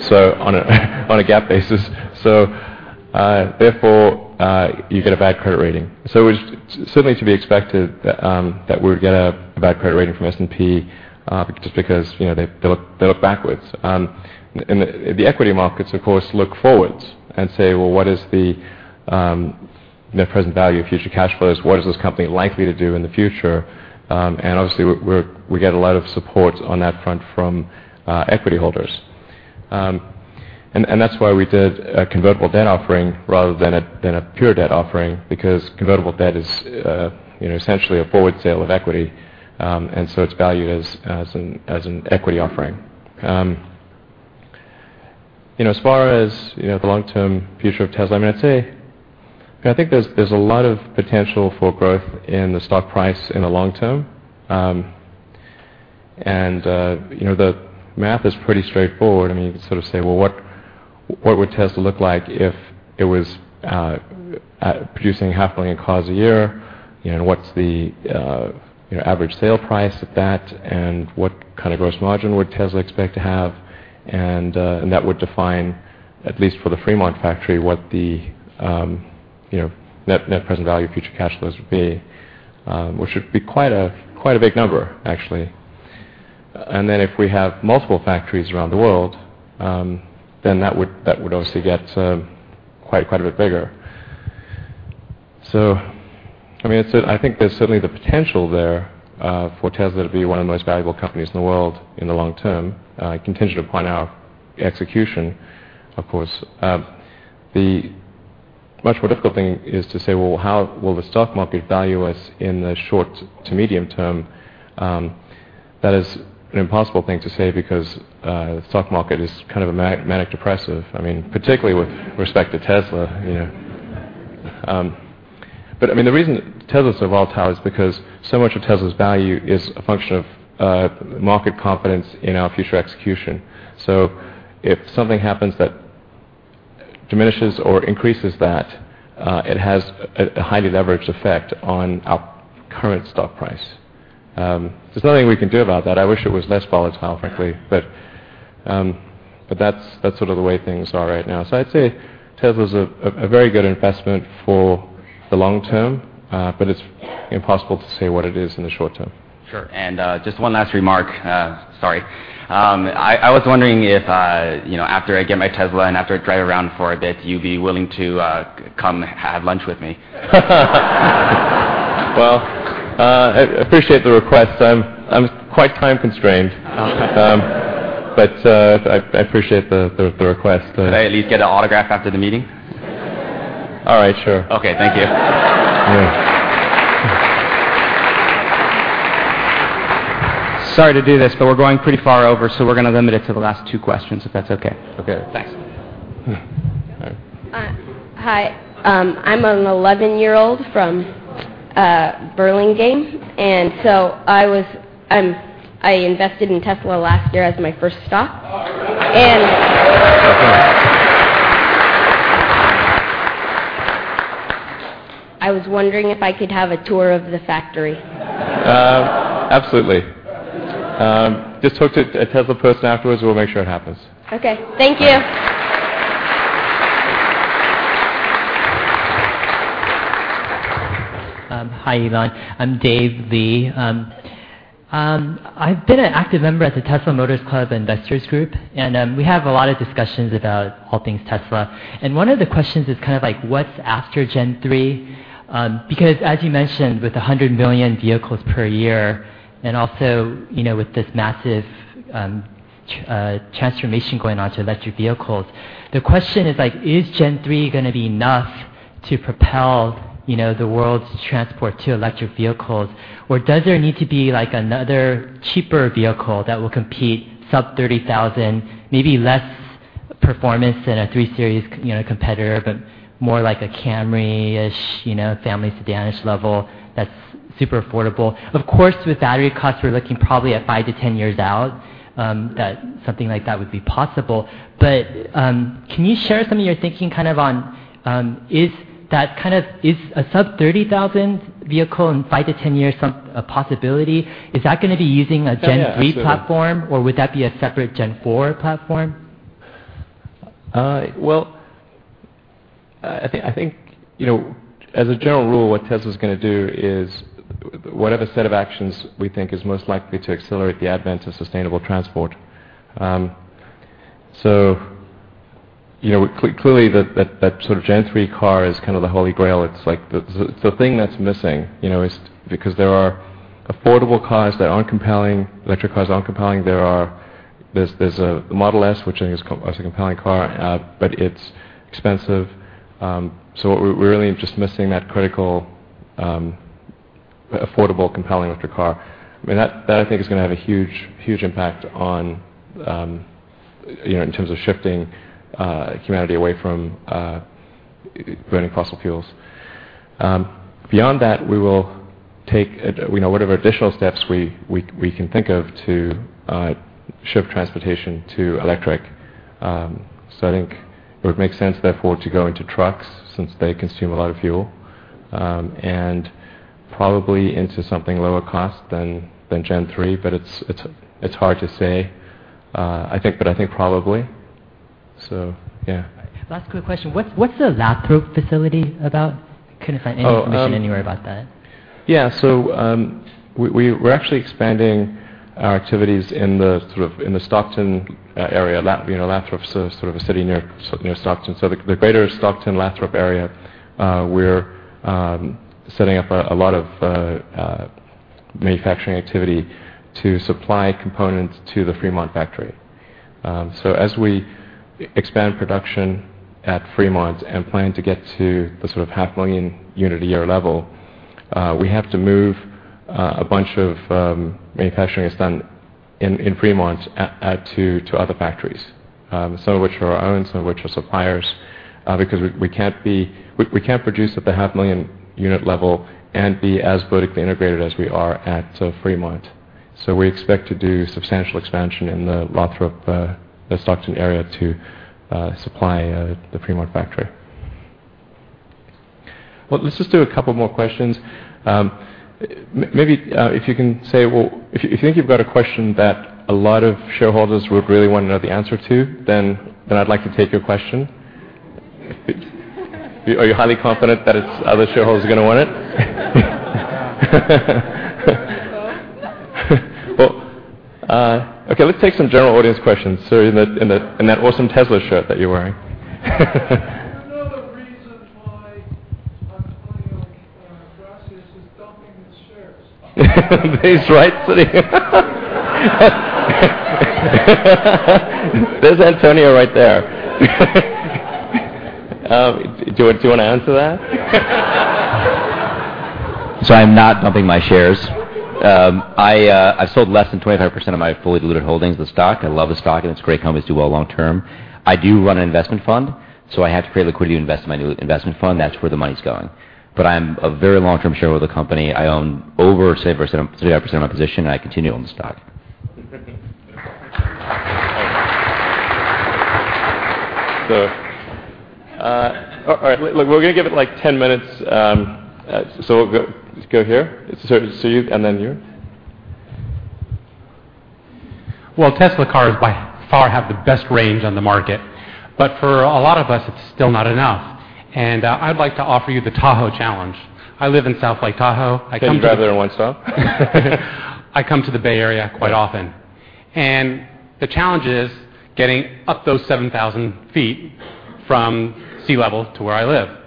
so on a GAAP basis. Therefore, you get a bad credit rating. It was certainly to be expected that we would get a bad credit rating from S&P just because, you know, they look backwards. The, the equity markets, of course, look forwards and say, "Well, what is the net present value of future cash flows? What is this company likely to do in the future?" Obviously we're, we get a lot of support on that front from equity holders. That's why we did a convertible debt offering rather than a, than a pure debt offering because convertible debt is, you know, essentially a forward sale of equity. It's valued as an equity offering. You know, as far as, you know, the long-term future of Tesla, I mean, I'd say, you know, I think there's a lot of potential for growth in the stock price in the long term. You know, the math is pretty straightforward. I mean, you can sort of say, "Well, what would Tesla look like if it was producing half a million cars a year? You know, and what's the, you know, average sale price at that? And what kind of gross margin would Tesla expect to have?" That would define, at least for the Fremont factory, what the, you know, net present value of future cash flows would be, which would be quite a big number actually. Then if we have multiple factories around the world, then that would, that would obviously get quite a bit bigger. I mean, I think there's certainly the potential there for Tesla to be one of the most valuable companies in the world in the long term, contingent upon our execution, of course. The much more difficult thing is to say, well, how will the stock market value us in the short to medium term? That is an impossible thing to say because the stock market is kind of a manic depressive. I mean, particularly with respect to Tesla, you know? I mean, the reason Tesla's so volatile is because so much of Tesla's value is a function of market confidence in our future execution. If something happens that diminishes or increases that, it has a highly leveraged effect on our current stock price. There's nothing we can do about that. I wish it was less volatile, frankly. That's sort of the way things are right now. I'd say Tesla's a very good investment for the long term, but it's impossible to say what it is in the short term. Sure. Just one last remark, sorry. I was wondering if, you know, after I get my Tesla and after I drive around for a bit, you'd be willing to come have lunch with me? Well, I appreciate the request. I'm quite time-constrained. Oh. I appreciate the request. Can I at least get an autograph after the meeting? All right, sure. Okay. Thank you. Yeah. Sorry to do this, we're going pretty far over, so we're gonna limit it to the last two questions, if that's okay. Okay. Thanks. All right. Hi. I'm an 11-year-old from Burlingame. I invested in Tesla last year as my first stock. I was wondering if I could have a tour of the factory. Absolutely. Just talk to a Tesla person afterwards. We'll make sure it happens. Okay. Thank you. Hi, Elon. I've been an active member at the Tesla Motors Club Investors Group, and we have a lot of discussions about all things Tesla. One of the questions is kind of like, what's after Gen 3? Because as you mentioned, with 100 million vehicles per year, and also, you know, with this massive transformation going on to electric vehicles, the question is like, is Gen 3 gonna be enough to propel, you know, the world's transport to electric vehicles or does there need to be, like, another cheaper vehicle that will compete sub $30,000, maybe less performance than a 3 Series, you know, competitor, but more like a Camry-ish, you know, family sedan-ish level that's super affordable? Of course, with battery costs, we're looking probably at 5-10 years out, that something like that would be possible. Can you share some of your thinking kind of on, Is a sub 30,000 vehicle in 5-10 years a possibility? Is that gonna be using a Gen 3 platform? Yeah, absolutely. Or would that be a separate Gen 4 platform? Well, I think, you know, as a general rule, what Tesla's gonna do is whatever set of actions we think is most likely to accelerate the advent to sustainable transport. You know, clearly that sort of Gen 3 car is kind of the holy grail. It's like the thing that's missing, you know, is because there are affordable cars that aren't compelling, electric cars that aren't compelling. There's a Model S which I think is a compelling car, but it's expensive. What we're really just missing that critical, affordable, compelling electric car. I mean, that I think is gonna have a huge impact on, you know, in terms of shifting humanity away from burning fossil fuels. Beyond that, we will take, you know, whatever additional steps we can think of to shift transportation to electric. I think it would make sense therefore to go into trucks since they consume a lot of fuel, and probably into something lower cost than Gen 3, but it's hard to say. I think, but I think probably. Yeah. Last quick question. What's the Lathrop facility about? Oh. information anywhere about that. Yeah. We're actually expanding our activities in the sort of, in the Stockton area. You know, Lathrop's sort of a city near Stockton. The greater Stockton, Lathrop area, we're setting up a lot of manufacturing activity to supply components to the Fremont factory. As we expand production at Fremont and plan to get to the sort of 500,000 unit a year level, we have to move a bunch of manufacturing that's done in Fremont to other factories. Some of which are our own, some of which are suppliers, because we can't produce at the 500,000 unit level and be as vertically integrated as we are at Fremont. We expect to do substantial expansion in the Lathrop, the Stockton area to supply the Fremont factory. Well, let's just do a couple more questions. Maybe, if you can say, well, if you think you've got a question that a lot of shareholders would really wanna know the answer to, then I'd like to take your question. Are you highly confident that it's other shareholders are gonna want it? Well, okay, let's take some general audience questions. Sir, in that awesome Tesla shirt that you're wearing. He's right. There's Antonio right there. Do you wanna answer that? I'm not dumping my shares. I've sold less than 25% of my fully diluted holdings of the stock. I love the stock, and it's a great company to do well long term. I do run an investment fund, I have to create liquidity to invest in my new investment fund. That's where the money's going. I'm a very long-term shareholder of the company. I own over say [inaudible] of my position, and I continue to own the stock. All right. Look, we're gonna give it, like, 10 minutes. We'll go here. You and then you. Tesla cars by far have the best range on the market. For a lot of us, it's still not enough. I'd like to offer you the Tahoe challenge. I live in South Lake Tahoe. Can you drive there in one stop? I come to the Bay Area quite often. The challenge is getting up those 7,000 ft from sea level to where I live.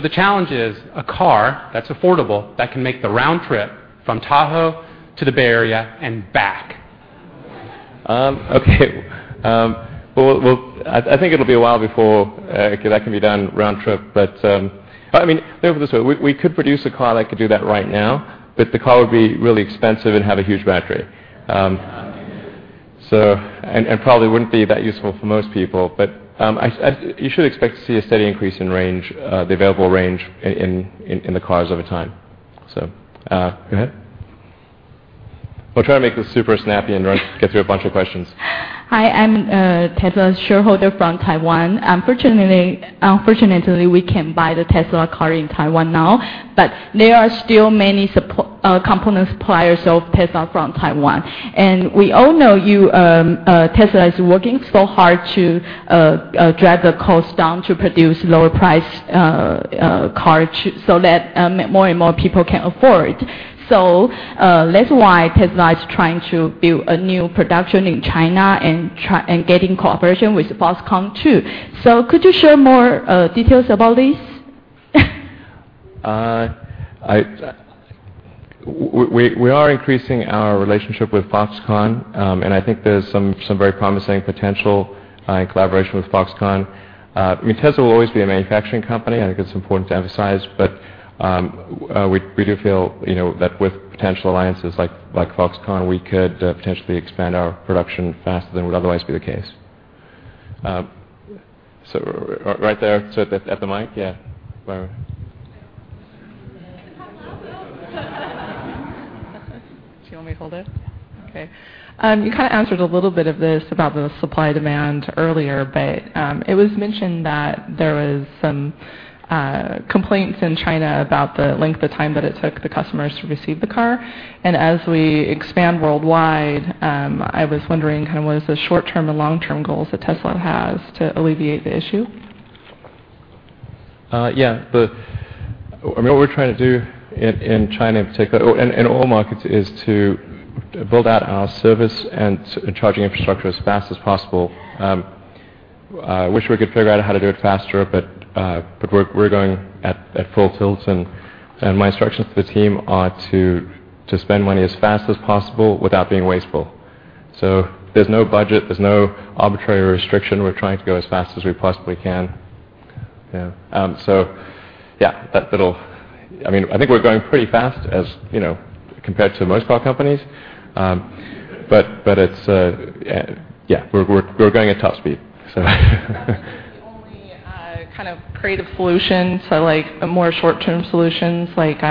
The challenge is a car that's affordable that can make the round trip from Tahoe to the Bay Area and back. Well, I think it'll be a while before that can be done round trip. I mean, let me put it this way. We could produce a car that could do that right now, but the car would be really expensive and have a huge battery. Probably wouldn't be that useful for most people. You should expect to see a steady increase in range, the available range in the cars over time. Go ahead. We'll try and make this super snappy and run, get through a bunch of questions. Hi, I'm a Tesla shareholder from Taiwan. Unfortunately, we can't buy the Tesla car in Taiwan now, but there are still many component suppliers of Tesla from Taiwan. We all know you, Tesla is working so hard to drive the cost down to produce lower price car so that more and more people can afford. That's why Tesla is trying to build a new production in China and getting cooperation with Foxconn too. Could you share more details about this? We are increasing our relationship with Foxconn, and I think there's some very promising potential in collaboration with Foxconn. I mean, Tesla will always be a manufacturing company, I think it's important to emphasize. We do feel, you know, that with potential alliances like Foxconn, we could potentially expand our production faster than would otherwise be the case. Right there. At the, at the mic, yeah. Where? Do you want me to hold it? Okay. You kinda answered a little bit of this about the supply demand earlier, but, it was mentioned that there was some complaints in China about the length of time that it took the customers to receive the car. As we expand worldwide, I was wondering kinda what is the short-term and long-term goals that Tesla has to alleviate the issue? Yeah. I mean, what we're trying to do in China in particular, or in all markets, is to build out our service and charging infrastructure as fast as possible. Wish we could figure out how to do it faster, but we're going at full tilt. My instructions to the team are to spend money as fast as possible without being wasteful. There's no budget, there's no arbitrary restriction. We're trying to go as fast as we possibly can. Yeah. Yeah, I mean, I think we're going pretty fast as, you know, compared to most car companies. But it's, yeah, we're going at top speed. That isn't the only kind of creative solution. Like a more short-term solutions like,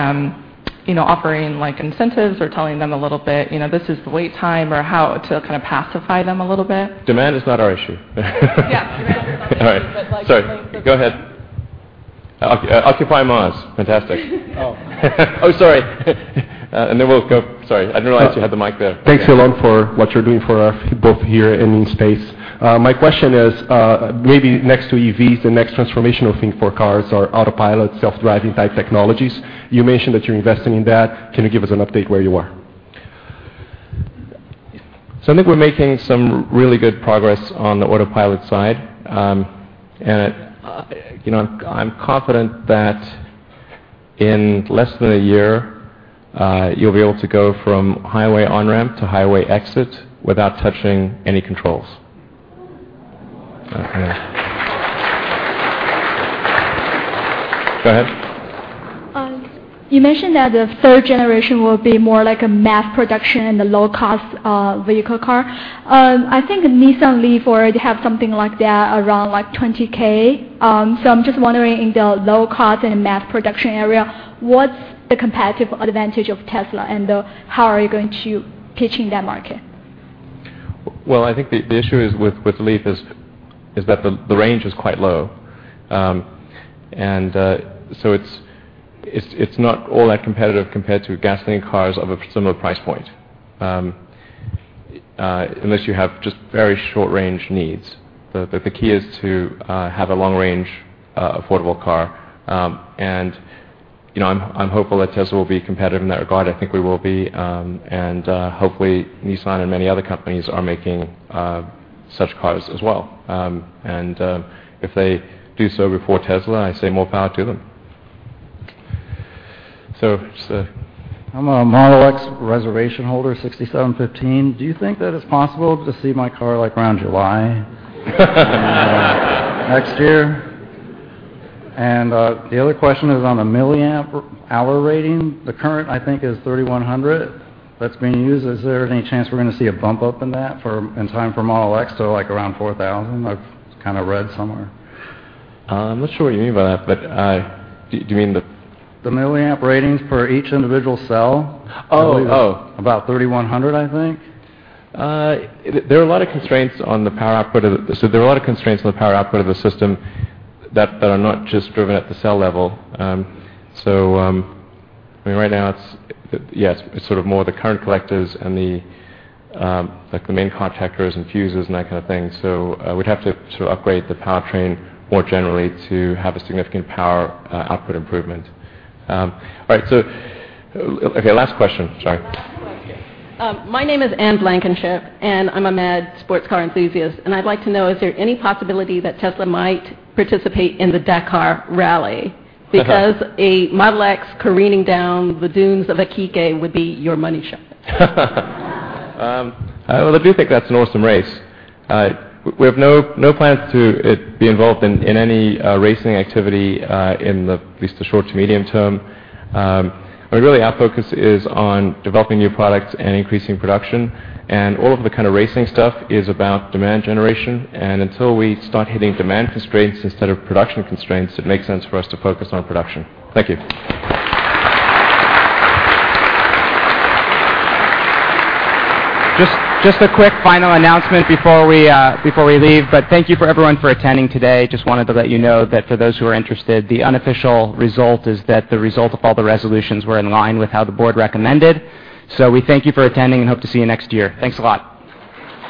you know, offering like incentives or telling them a little bit, you know, this is the wait time or how to kind of pacify them a little bit. Demand is not our issue. Yeah. Demand is not the issue. All right. Sorry. Go ahead. Occupy Mars. Fantastic. Oh, sorry. Then we'll go Sorry, I didn't realize you had the mic there. Thanks a lot for what you're doing for our people here and in space. My question is, maybe next to EVs, the next transformational thing for cars are Autopilot, self-driving type technologies. You mentioned that you're investing in that. Can you give us an update where you are? I think we're making some really good progress on the Autopilot side. You know, I'm confident that in less than a year, you'll be able to go from highway on-ramp to highway exit without touching any controls. Oh. Go ahead. You mentioned that the third generation will be more like a mass production and a low-cost vehicle car. I think Nissan LEAF already have something like that around like $20,000. So I'm just wondering, in the low cost and mass production area, what's the competitive advantage of Tesla, and how are you going to pitching that market? I think the issue is with LEAF is that the range is quite low. It's not all that competitive compared to gasoline cars of a similar price point unless you have just very short-range needs. The key is to have a long range affordable car. You know, I'm hopeful that Tesla will be competitive in that regard. I think we will be. Hopefully Nissan and many other companies are making such cars as well. If they do so before Tesla, I say more power to them. Sir. I'm a Model X reservation holder, 6715. Do you think that it's possible to see my car like around July next year? The other question is on the milliamp hour rating. The current, I think, is 3,100 that's being used. Is there any chance we're gonna see a bump up in that for, in time for Model X to like around 4,000? I've kinda read somewhere. I'm not sure what you mean by that, but do you mean? The milliamp ratings for each individual cell. Oh. Oh. About 3,100, I think. There are a lot of constraints on the power output of the system that are not just driven at the cell level. I mean, right now it's, yes, it's sort of more the current collectors and the main contactors and fuses and that kind of thing. We'd have to sort of upgrade the powertrain more generally to have a significant power output improvement. All right, okay, last question. Sorry. My name is Anne Blankenship, and I'm a mad sports car enthusiast. I'd like to know, is there any possibility that Tesla might participate in the Dakar Rally? Okay. A Model X careening down the dunes of Iquique would be your money shot. Well, I do think that's an awesome race. We have no plans to be involved in any racing activity in the, at least the short to medium term. I mean, really our focus is on developing new products and increasing production. All of the kinda racing stuff is about demand generation. Until we start hitting demand constraints instead of production constraints, it makes sense for us to focus on production. Thank you. Just a quick final announcement before we before we leave. Thank you for everyone for attending today. Just wanted to let you know that for those who are interested, the unofficial result is that the result of all the resolutions were in line with how the board recommended. We thank you for attending and hope to see you next year. Thanks a lot.